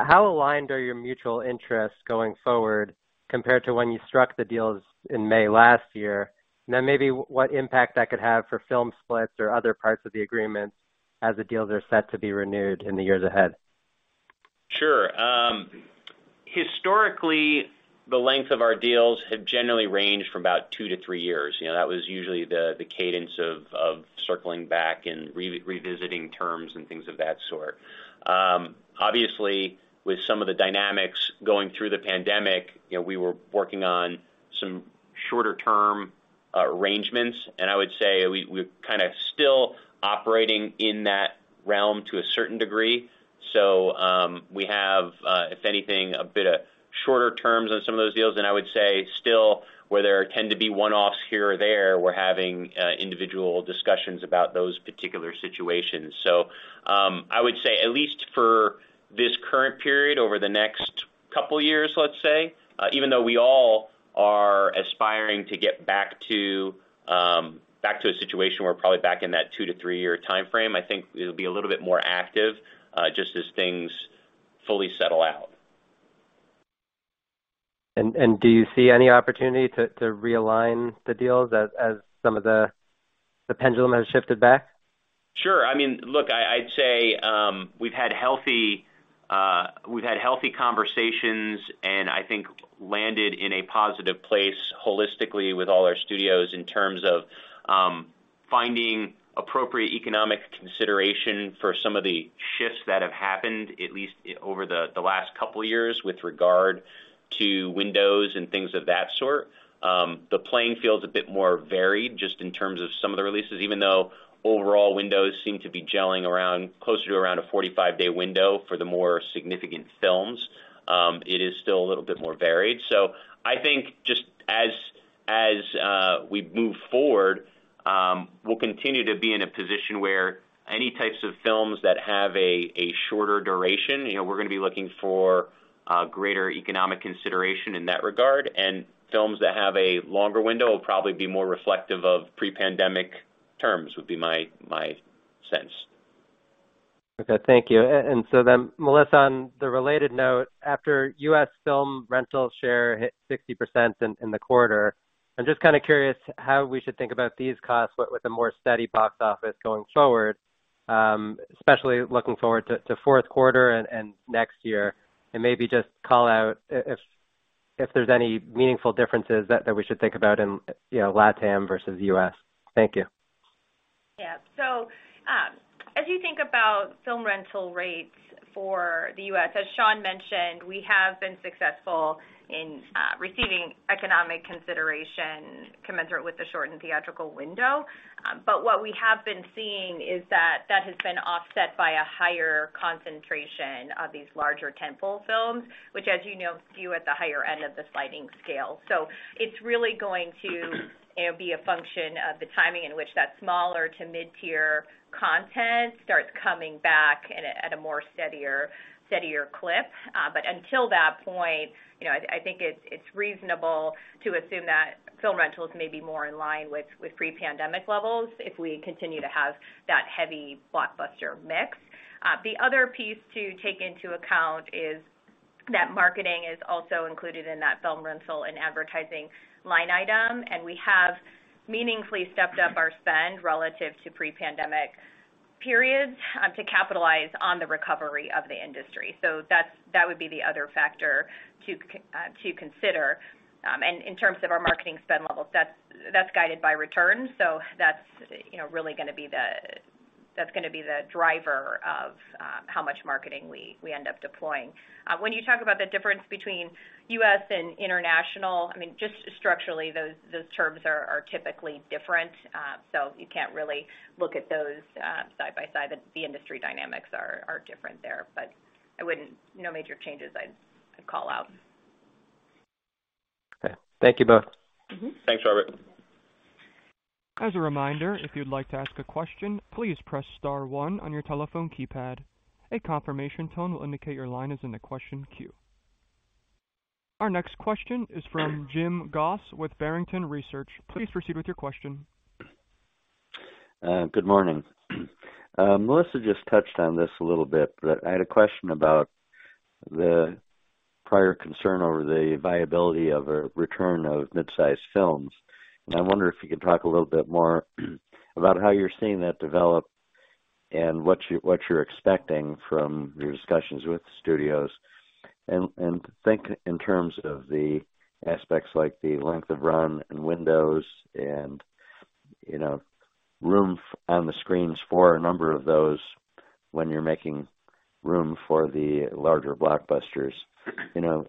how aligned are your mutual interests going forward compared to when you struck the deals in May last year? Then maybe what impact that could have for film splits or other parts of the agreements as the deals are set to be renewed in the years ahead. Sure. Historically, the length of our deals have generally ranged from about two to three years. You know, that was usually the cadence of circling back and revisiting terms and things of that sort. Obviously, with some of the dynamics going through the pandemic, you know, we were working on some shorter-term arrangements. I would say we're kind of still operating in that realm to a certain degree. We have, if anything, a bit of shorter terms on some of those deals, and I would say still, where there tend to be one-offs here or there, we're having individual discussions about those particular situations. I would say, at least for this current period over the next couple years, let's say, even though we all are aspiring to get back to a situation where probably back in that two to three year timeframe, I think it'll be a little bit more active, just as things fully settle out. Do you see any opportunity to realign the deals as some of the pendulum has shifted back? Sure. I mean, look, I'd say, we've had healthy conversations and I think landed in a positive place holistically with all our studios in terms of, finding appropriate economic consideration for some of the shifts that have happened, at least over the last couple of years with regard to windows and things of that sort. The playing field is a bit more varied just in terms of some of the releases. Even though overall windows seem to be gelling around closer to around a 45-day window for the more significant films, it is still a little bit more varied. I think just as we move forward, we'll continue to be in a position where any types of films that have a shorter duration, you know, we're gonna be looking for greater economic consideration in that regard. Films that have a longer window will probably be more reflective of pre-pandemic terms, would be my sense. Okay. Thank you. Melissa, on the related note, after U.S. film rental share hit 60% in the quarter, I'm just kind of curious how we should think about these costs with a more steady box office going forward, especially looking forward to fourth quarter and next year. Maybe just call out if there's any meaningful differences that we should think about in, you know, LATAM versus U.S. Thank you. Yeah. As you think about film rental rates for the U.S., as Sean mentioned, we have been successful in receiving economic consideration commensurate with the shortened theatrical window. What we have been seeing is that that has been offset by a higher concentration of these larger tentpole films, which, as you know, skew at the higher end of the sliding scale. It's really going to, you know, be a function of the timing in which that smaller to mid-tier content starts coming back in at a more steadier clip. Until that point, you know, I think it's reasonable to assume that film rentals may be more in line with pre-pandemic levels if we continue to have that heavy blockbuster mix. The other piece to take into account is that marketing is also included in that film rental and advertising line item, and we have meaningfully stepped up our spend relative to pre-pandemic periods, to capitalize on the recovery of the industry. That would be the other factor to consider. In terms of our marketing spend levels, that's guided by return. You know, that's really gonna be the driver of how much marketing we end up deploying. When you talk about the difference between U.S. and international, I mean, just structurally, those terms are typically different. You can't really look at those side by side. The industry dynamics are different there, but I wouldn't. No major changes I'd call out. Okay. Thank you both. Mm-hmm. Thanks, Robert. As a reminder, if you'd like to ask a question, please press star one on your telephone keypad. A confirmation tone will indicate your line is in the question queue. Our next question is from Jim Goss with Barrington Research. Please proceed with your question. Good morning. Melissa just touched on this a little bit, but I had a question about the prior concern over the viability of a return of mid-sized films. I wonder if you could talk a little bit more about how you're seeing that develop and what you're expecting from your discussions with studios. Think in terms of the aspects like the length of run and windows and, you know, room on the screens for a number of those when you're making room for the larger blockbusters. You know,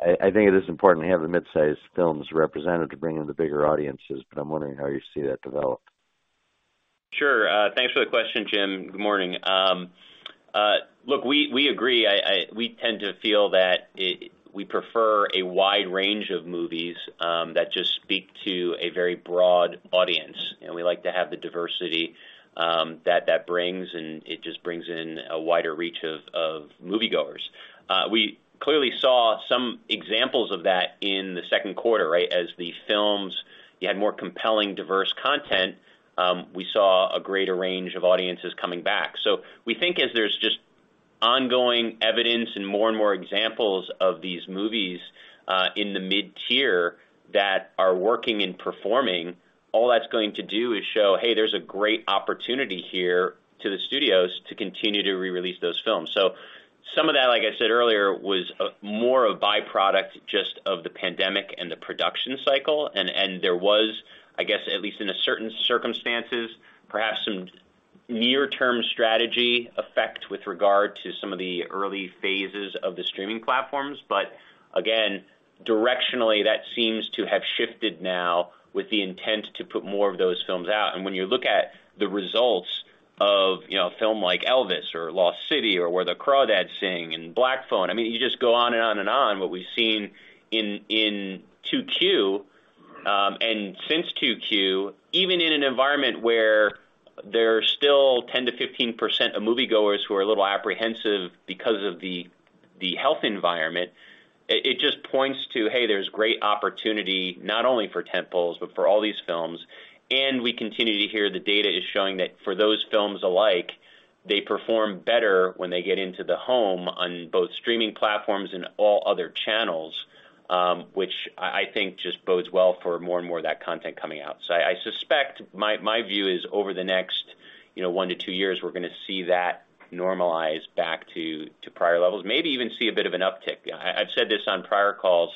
I think it is important to have the mid-size films represented to bring in the bigger audiences, but I'm wondering how you see that develop. Sure. Thanks for the question, Jim. Good morning. Look, we agree. We tend to feel that we prefer a wide range of movies that just speak to a very broad audience, and we like to have the diversity that brings, and it just brings in a wider reach of moviegoers. We clearly saw some examples of that in the second quarter, right? As the films you had more compelling, diverse content, we saw a greater range of audiences coming back. We think as there's just ongoing evidence and more and more examples of these movies in the mid-tier that are working and performing, all that's going to do is show, hey, there's a great opportunity here to the studios to continue to re-release those films. Some of that, like I said earlier, was more a byproduct just of the pandemic and the production cycle. There was, I guess, at least in certain circumstances, perhaps some near-term strategy effect with regard to some of the early phases of the streaming platforms. Again, directionally, that seems to have shifted now with the intent to put more of those films out. When you look at the results of, you know, a film like Elvis or The Lost City or Where the Crawdads Sing and The Black Phone, I mean, you just go on and on and on. What we've seen in 2Q and since 2Q, even in an environment where there's still 10%-15% of moviegoers who are a little apprehensive because of the health environment, it just points to, hey, there's great opportunity, not only for tentpoles, but for all these films. We continue to hear the data is showing that for those films alike, they perform better when they get into the home on both streaming platforms and all other channels, which I think just bodes well for more and more of that content coming out. I suspect my view is over the next, you know, one to two years, we're gonna see that normalize back to prior levels, maybe even see a bit of an uptick. I've said this on prior calls,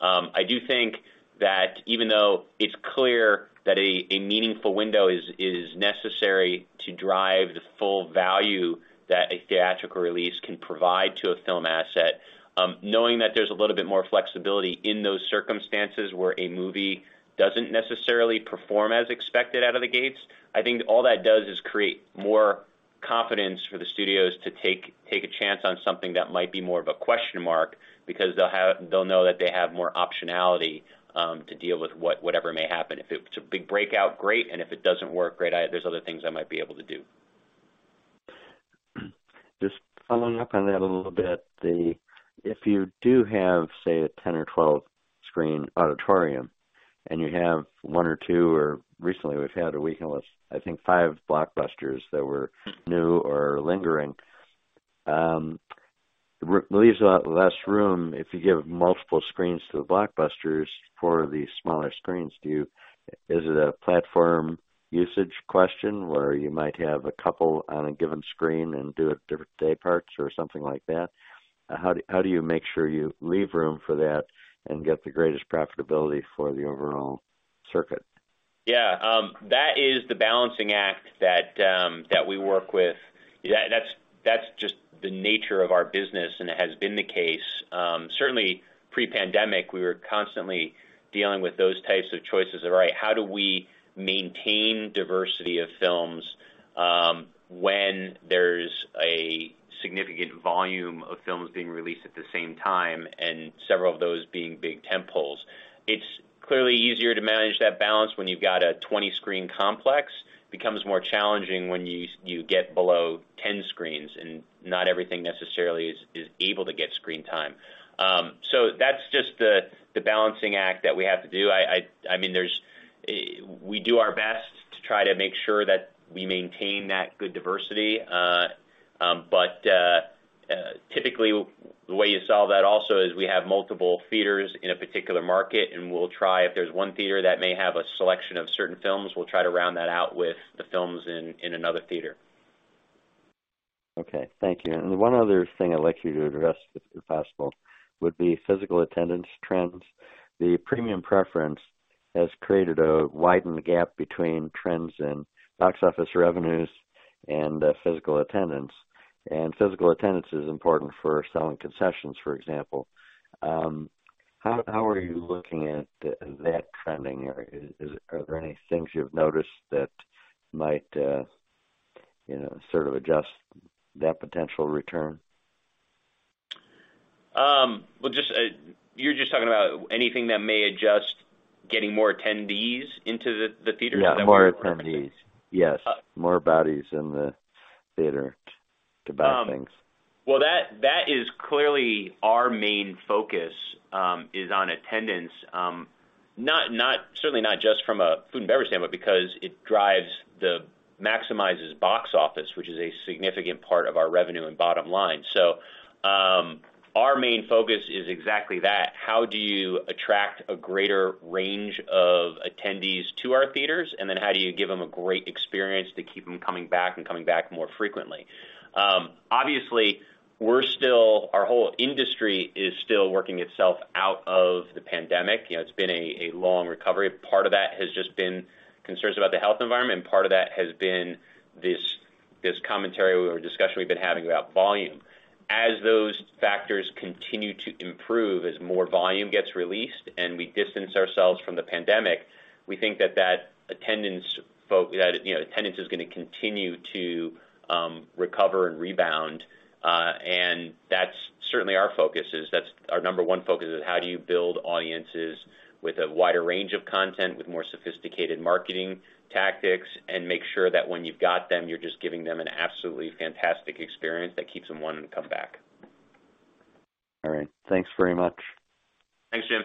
I do think that even though it's clear that a meaningful window is necessary to drive the full value that a theatrical release can provide to a film asset, knowing that there's a little bit more flexibility in those circumstances where a movie doesn't necessarily perform as expected out of the gates, I think all that does is create more confidence for the studios to take a chance on something that might be more of a question mark, because they'll know that they have more optionality to deal with whatever may happen. If it's a big breakout, great, and if it doesn't work great, there's other things I might be able to do. Just following up on that a little bit. If you do have, say, a 10 or 12 screen auditorium, and you have one or two, or recently we've had a weekend with, I think, five blockbusters that were new or lingering, leaves a lot less room if you give multiple screens to the blockbusters for the smaller screens. Is it a platform usage question, where you might have a couple on a given screen and do it different day parts or something like that? How do you make sure you leave room for that and get the greatest profitability for the overall circuit? Yeah. That is the balancing act that we work with. Yeah, that's just the nature of our business, and it has been the case. Certainly pre-pandemic, we were constantly dealing with those types of choices of, right, how do we maintain diversity of films, when there's a significant volume of films being released at the same time, and several of those being big tentpoles. It's clearly easier to manage that balance when you've got a 20-screen complex. Becomes more challenging when you get below 10 screens, and not everything necessarily is able to get screen time. So that's just the balancing act that we have to do. I mean, we do our best to try to make sure that we maintain that good diversity. Typically, the way you solve that also is we have multiple theaters in a particular market, and we'll try, if there's one theater that may have a selection of certain films, we'll try to round that out with the films in another theater. Okay. Thank you. One other thing I'd like you to address, if possible, would be physical attendance trends. The premium preference has created a widened gap between trends in box office revenues and physical attendance. Physical attendance is important for selling concessions, for example. How are you looking at that trending? Are there any things you've noticed that might you know, sort of adjust that potential return? Well, you're just talking about anything that may adjust getting more attendees into the theater? Yeah, more attendees. Yes. More bodies in the theater to buy things. Well, that is clearly our main focus is on attendance. Certainly not just from a food and beverage standpoint, because it maximizes box office, which is a significant part of our revenue and bottom line. Our main focus is exactly that: How do you attract a greater range of attendees to our theaters? Then how do you give them a great experience to keep them coming back and coming back more frequently? Obviously, our whole industry is still working itself out of the pandemic. You know, it's been a long recovery. Part of that has just been concerns about the health environment, and part of that has been this commentary or discussion we've been having about volume. As those factors continue to improve, as more volume gets released and we distance ourselves from the pandemic, we think that attendance, you know, is gonna continue to recover and rebound. That's certainly our focus. That's our number one focus, how do you build audiences with a wider range of content, with more sophisticated marketing tactics, and make sure that when you've got them, you're just giving them an absolutely fantastic experience that keeps them wanting to come back. All right. Thanks very much. Thanks, Jim.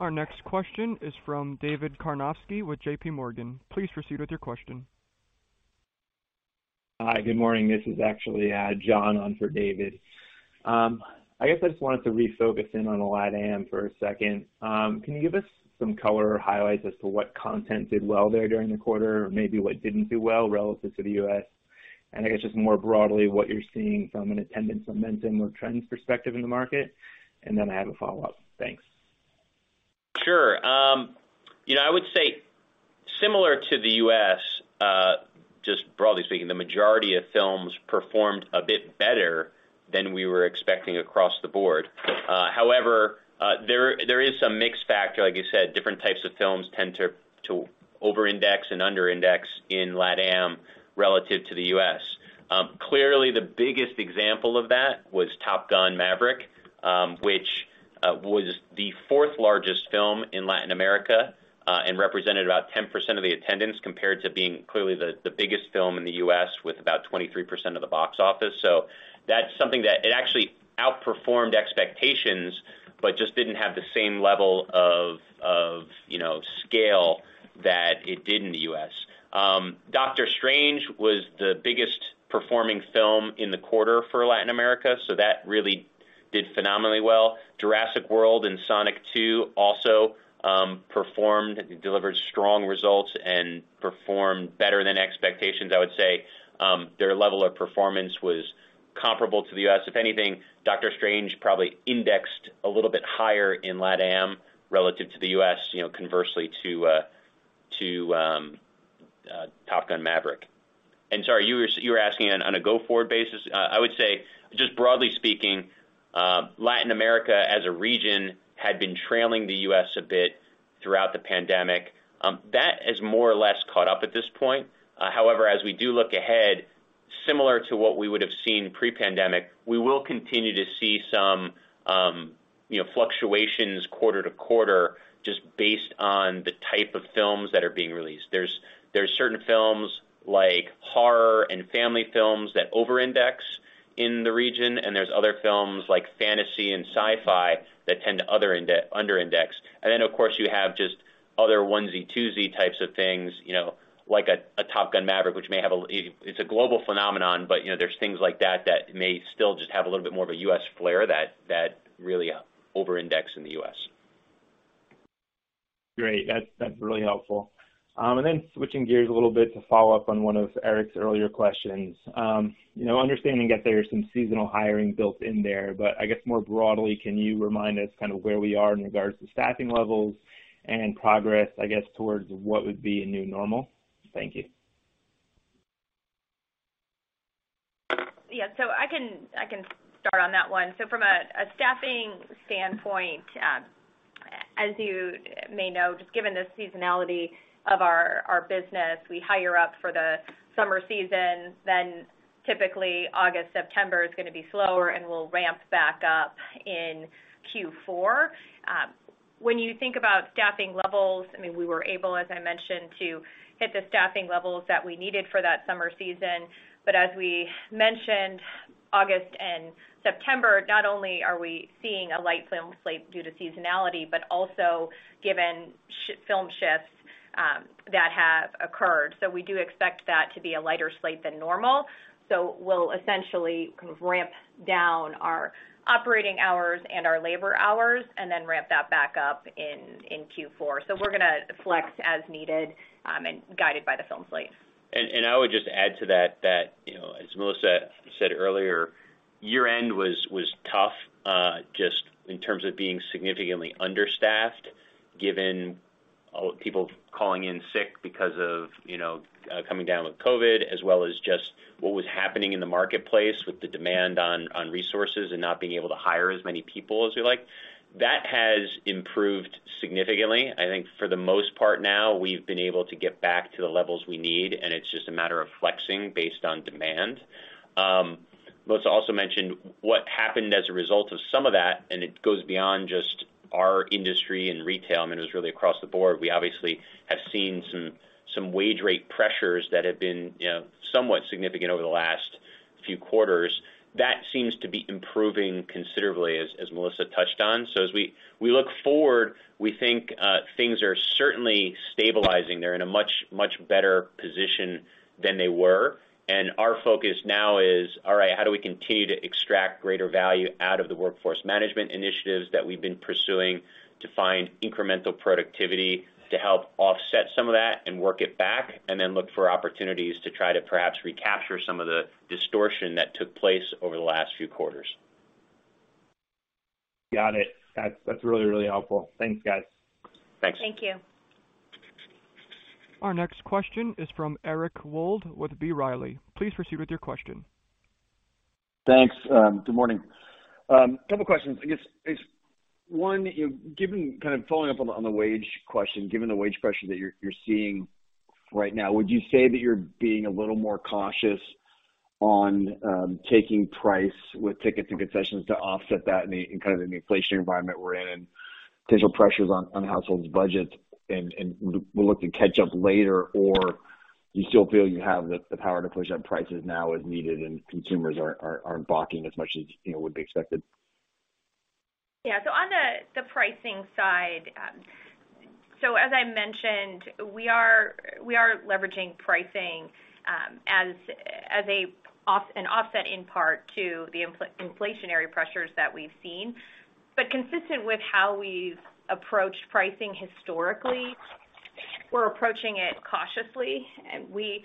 Our next question is from David Karnovsky with J.P. Morgan. Please proceed with your question. Hi. Good morning. This is actually John on for David. I guess I just wanted to refocus in on the LATAM for a second. Can you give us some color or highlights as to what content did well there during the quarter or maybe what didn't do well relative to the U.S.? I guess just more broadly, what you're seeing from an attendance momentum or trends perspective in the market. Then I have a follow-up. Thanks. Sure. You know, I would say similar to the U.S., just broadly speaking, the majority of films performed a bit better than we were expecting across the board. However, there is some mix factor. Like you said, different types of films tend to over-index and under-index in LATAM relative to the U.S. Clearly the biggest example of that was Top Gun: Maverick, which was the fourth largest film in Latin America, and represented about 10% of the attendance, compared to being clearly the biggest film in the U.S. with about 23% of the box office. That's something that it actually outperformed expectations, but just didn't have the same level of, you know, scale that it did in the U.S. Doctor Strange was the biggest performing film in the quarter for Latin America, so that really did phenomenally well. Jurassic World and Sonic 2 also performed, delivered strong results and performed better than expectations, I would say. Their level of performance was comparable to the U.S. If anything, Doctor Strange probably indexed a little bit higher in LATAM relative to the U.S., you know, conversely to Top Gun: Maverick. Sorry, you were asking on a go-forward basis. I would say just broadly speaking, Latin America as a region had been trailing the U.S. a bit throughout the pandemic. That has more or less caught up at this point. However, as we do look ahead, similar to what we would have seen pre-pandemic, we will continue to see some, you know, fluctuations quarter to quarter just based on the type of films that are being released. There's certain films like horror and family films that over-index in the region, and there's other films like fantasy and sci-fi that tend to under-index. Then of course, you have just other onesie-twosie types of things, you know, like Top Gun: Maverick, which is a global phenomenon, but, you know, there's things like that that may still just have a little bit more of a U.S. flair that really over-index in the U.S. Great. That's really helpful. Then switching gears a little bit to follow up on one of Eric's earlier questions. You know, understanding that there's some seasonal hiring built in there, but I guess more broadly, can you remind us kind of where we are in regards to staffing levels and progress, I guess, towards what would be a new normal? Thank you. Yeah. I can start on that one. From a staffing standpoint, as you may know, just given the seasonality of our business, we hire up for the summer season. Typically August, September is gonna be slower, and we'll ramp back up in Q4. When you think about staffing levels, I mean, we were able, as I mentioned, to hit the staffing levels that we needed for that summer season. As we mentioned, August and September, not only are we seeing a light film slate due to seasonality, but also given film shifts that have occurred. We do expect that to be a lighter slate than normal. We'll essentially kind of ramp down our operating hours and our labor hours and then ramp that back up in Q4. We're gonna flex as needed, and guided by the film slate. I would just add to that you know, as Melissa said earlier, year-end was tough, just in terms of being significantly understaffed, given people calling in sick because of, you know, coming down with COVID, as well as just what was happening in the marketplace with the demand on resources and not being able to hire as many people as we like. That has improved significantly. I think for the most part now, we've been able to get back to the levels we need, and it's just a matter of flexing based on demand. Melissa also mentioned what happened as a result of some of that, and it goes beyond just our industry and retail. I mean, it was really across the board. We obviously have seen some wage rate pressures that have been, you know, somewhat significant over the last few quarters. That seems to be improving considerably, as Melissa touched on. As we look forward, we think things are certainly stabilizing. They're in a much better position than they were. Our focus now is, all right, how do we continue to extract greater value out of the workforce management initiatives that we've been pursuing to find incremental productivity to help offset some of that and work it back, and then look for opportunities to try to perhaps recapture some of the distortion that took place over the last few quarters. Got it. That's really helpful. Thanks, guys. Thanks. Thank you. Our next question is from Eric Wold with B. Riley. Please proceed with your question. Thanks. Good morning. Couple questions. I guess one, given kind of following up on the wage question, given the wage pressure that you're seeing right now, would you say that you're being a little more cautious on taking price with ticket and concessions to offset that in kind of the inflation environment we're in and potential pressures on households budgets and look to catch up later? Or you still feel you have the power to push up prices now as needed and consumers aren't balking as much as you know would be expected? On the pricing side, as I mentioned, we are leveraging pricing, as an offset in part to the inflationary pressures that we've seen. Consistent with how we've approached pricing historically, we're approaching it cautiously. We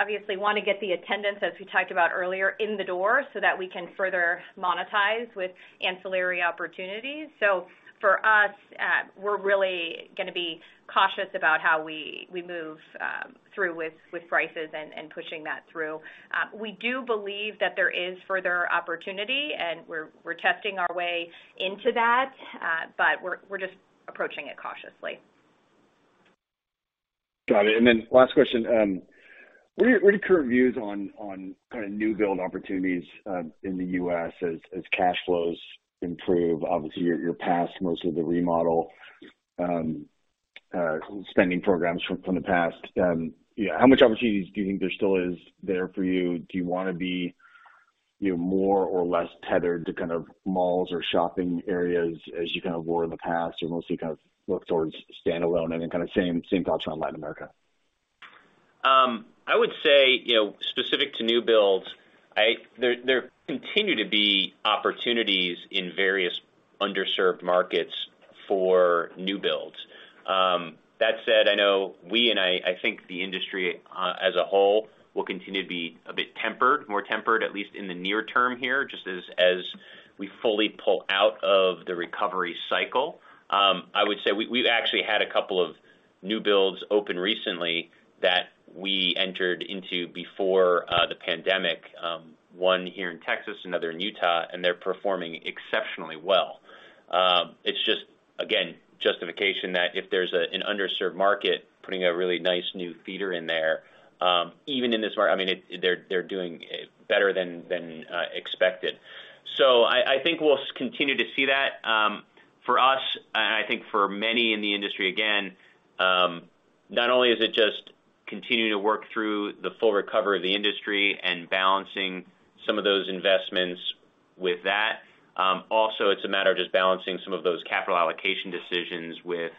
obviously wanna get the attendance, as we talked about earlier, in the door so that we can further monetize with ancillary opportunities. For us, we're really gonna be cautious about how we move through with prices and pushing that through. We do believe that there is further opportunity, and we're testing our way into that, but we're just approaching it cautiously. Got it. Last question. What are your current views on kinda new build opportunities in the U.S. as cash flows improve? Obviously, your past mostly the remodel spending programs from the past. You know, how much opportunities do you think there still is there for you? Do you wanna be, you know, more or less tethered to kind of malls or shopping areas as you kind of were in the past, or mostly kind of look towards standalone? Any kind of same thoughts on Latin America. I would say, you know, specific to new builds, there continue to be opportunities in various underserved markets for new builds. That said, I know we and I think the industry as a whole will continue to be a bit tempered, more tempered, at least in the near term here, just as we fully pull out of the recovery cycle. I would say we've actually had a couple of new builds open recently that we entered into before the pandemic, one here in Texas, another in Utah, and they're performing exceptionally well. It's just again justification that if there's an underserved market, putting a really nice new theater in there, even in this market. They're doing better than expected. I think we'll continue to see that. For us, and I think for many in the industry, again, not only is it just continuing to work through the full recovery of the industry and balancing some of those investments with that, also it's a matter of just balancing some of those capital allocation decisions with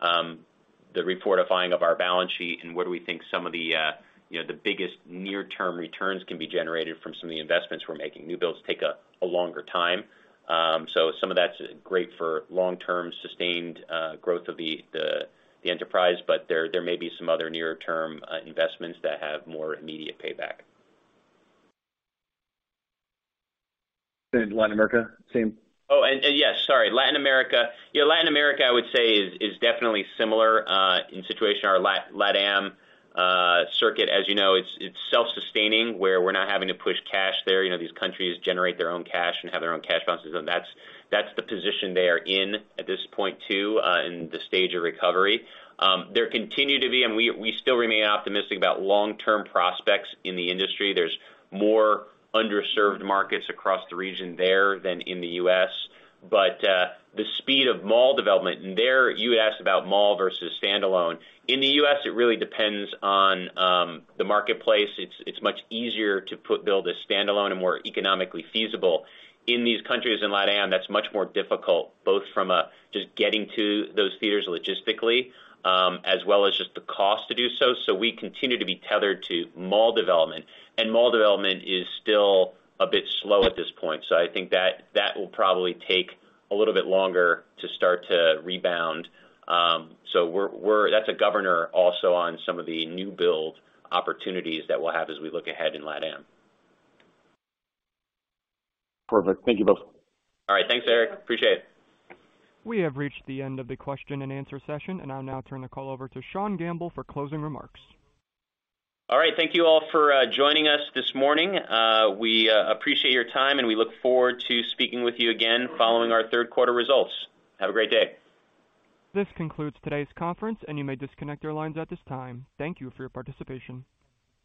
the refortifying of our balance sheet and where do we think some of the, you know, the biggest near-term returns can be generated from some of the investments we're making. New builds take a longer time. Some of that's great for long-term sustained growth of the enterprise, but there may be some other near-term investments that have more immediate payback. Latin America, same? Yes, sorry. Latin America. Yeah, Latin America, I would say, is definitely similar in situation. Our LATAM circuit, as you know, it's self-sustaining, where we're not having to push cash there. You know, these countries generate their own cash and have their own cash flows. That's the position they are in at this point, too, in the stage of recovery. There continue to be. We still remain optimistic about long-term prospects in the industry. There's more underserved markets across the region there than in the U.S. The speed of mall development, and there you asked about mall versus standalone. In the U.S., it really depends on the marketplace. It's much easier to build a standalone and more economically feasible. In these countries in LATAM, that's much more difficult, both from just getting to those theaters logistically, as well as just the cost to do so. We continue to be tethered to mall development, and mall development is still a bit slow at this point. I think that will probably take a little bit longer to start to rebound. That's a governor also on some of the new build opportunities that we'll have as we look ahead in LATAM. Perfect. Thank you both. All right. Thanks, Eric. Appreciate it. We have reached the end of the question and answer session. I'll now turn the call over to Sean Gamble for closing remarks. All right. Thank you all for joining us this morning. We appreciate your time, and we look forward to speaking with you again following our third quarter results. Have a great day. This concludes today's conference, and you may disconnect your lines at this time. Thank you for your participation.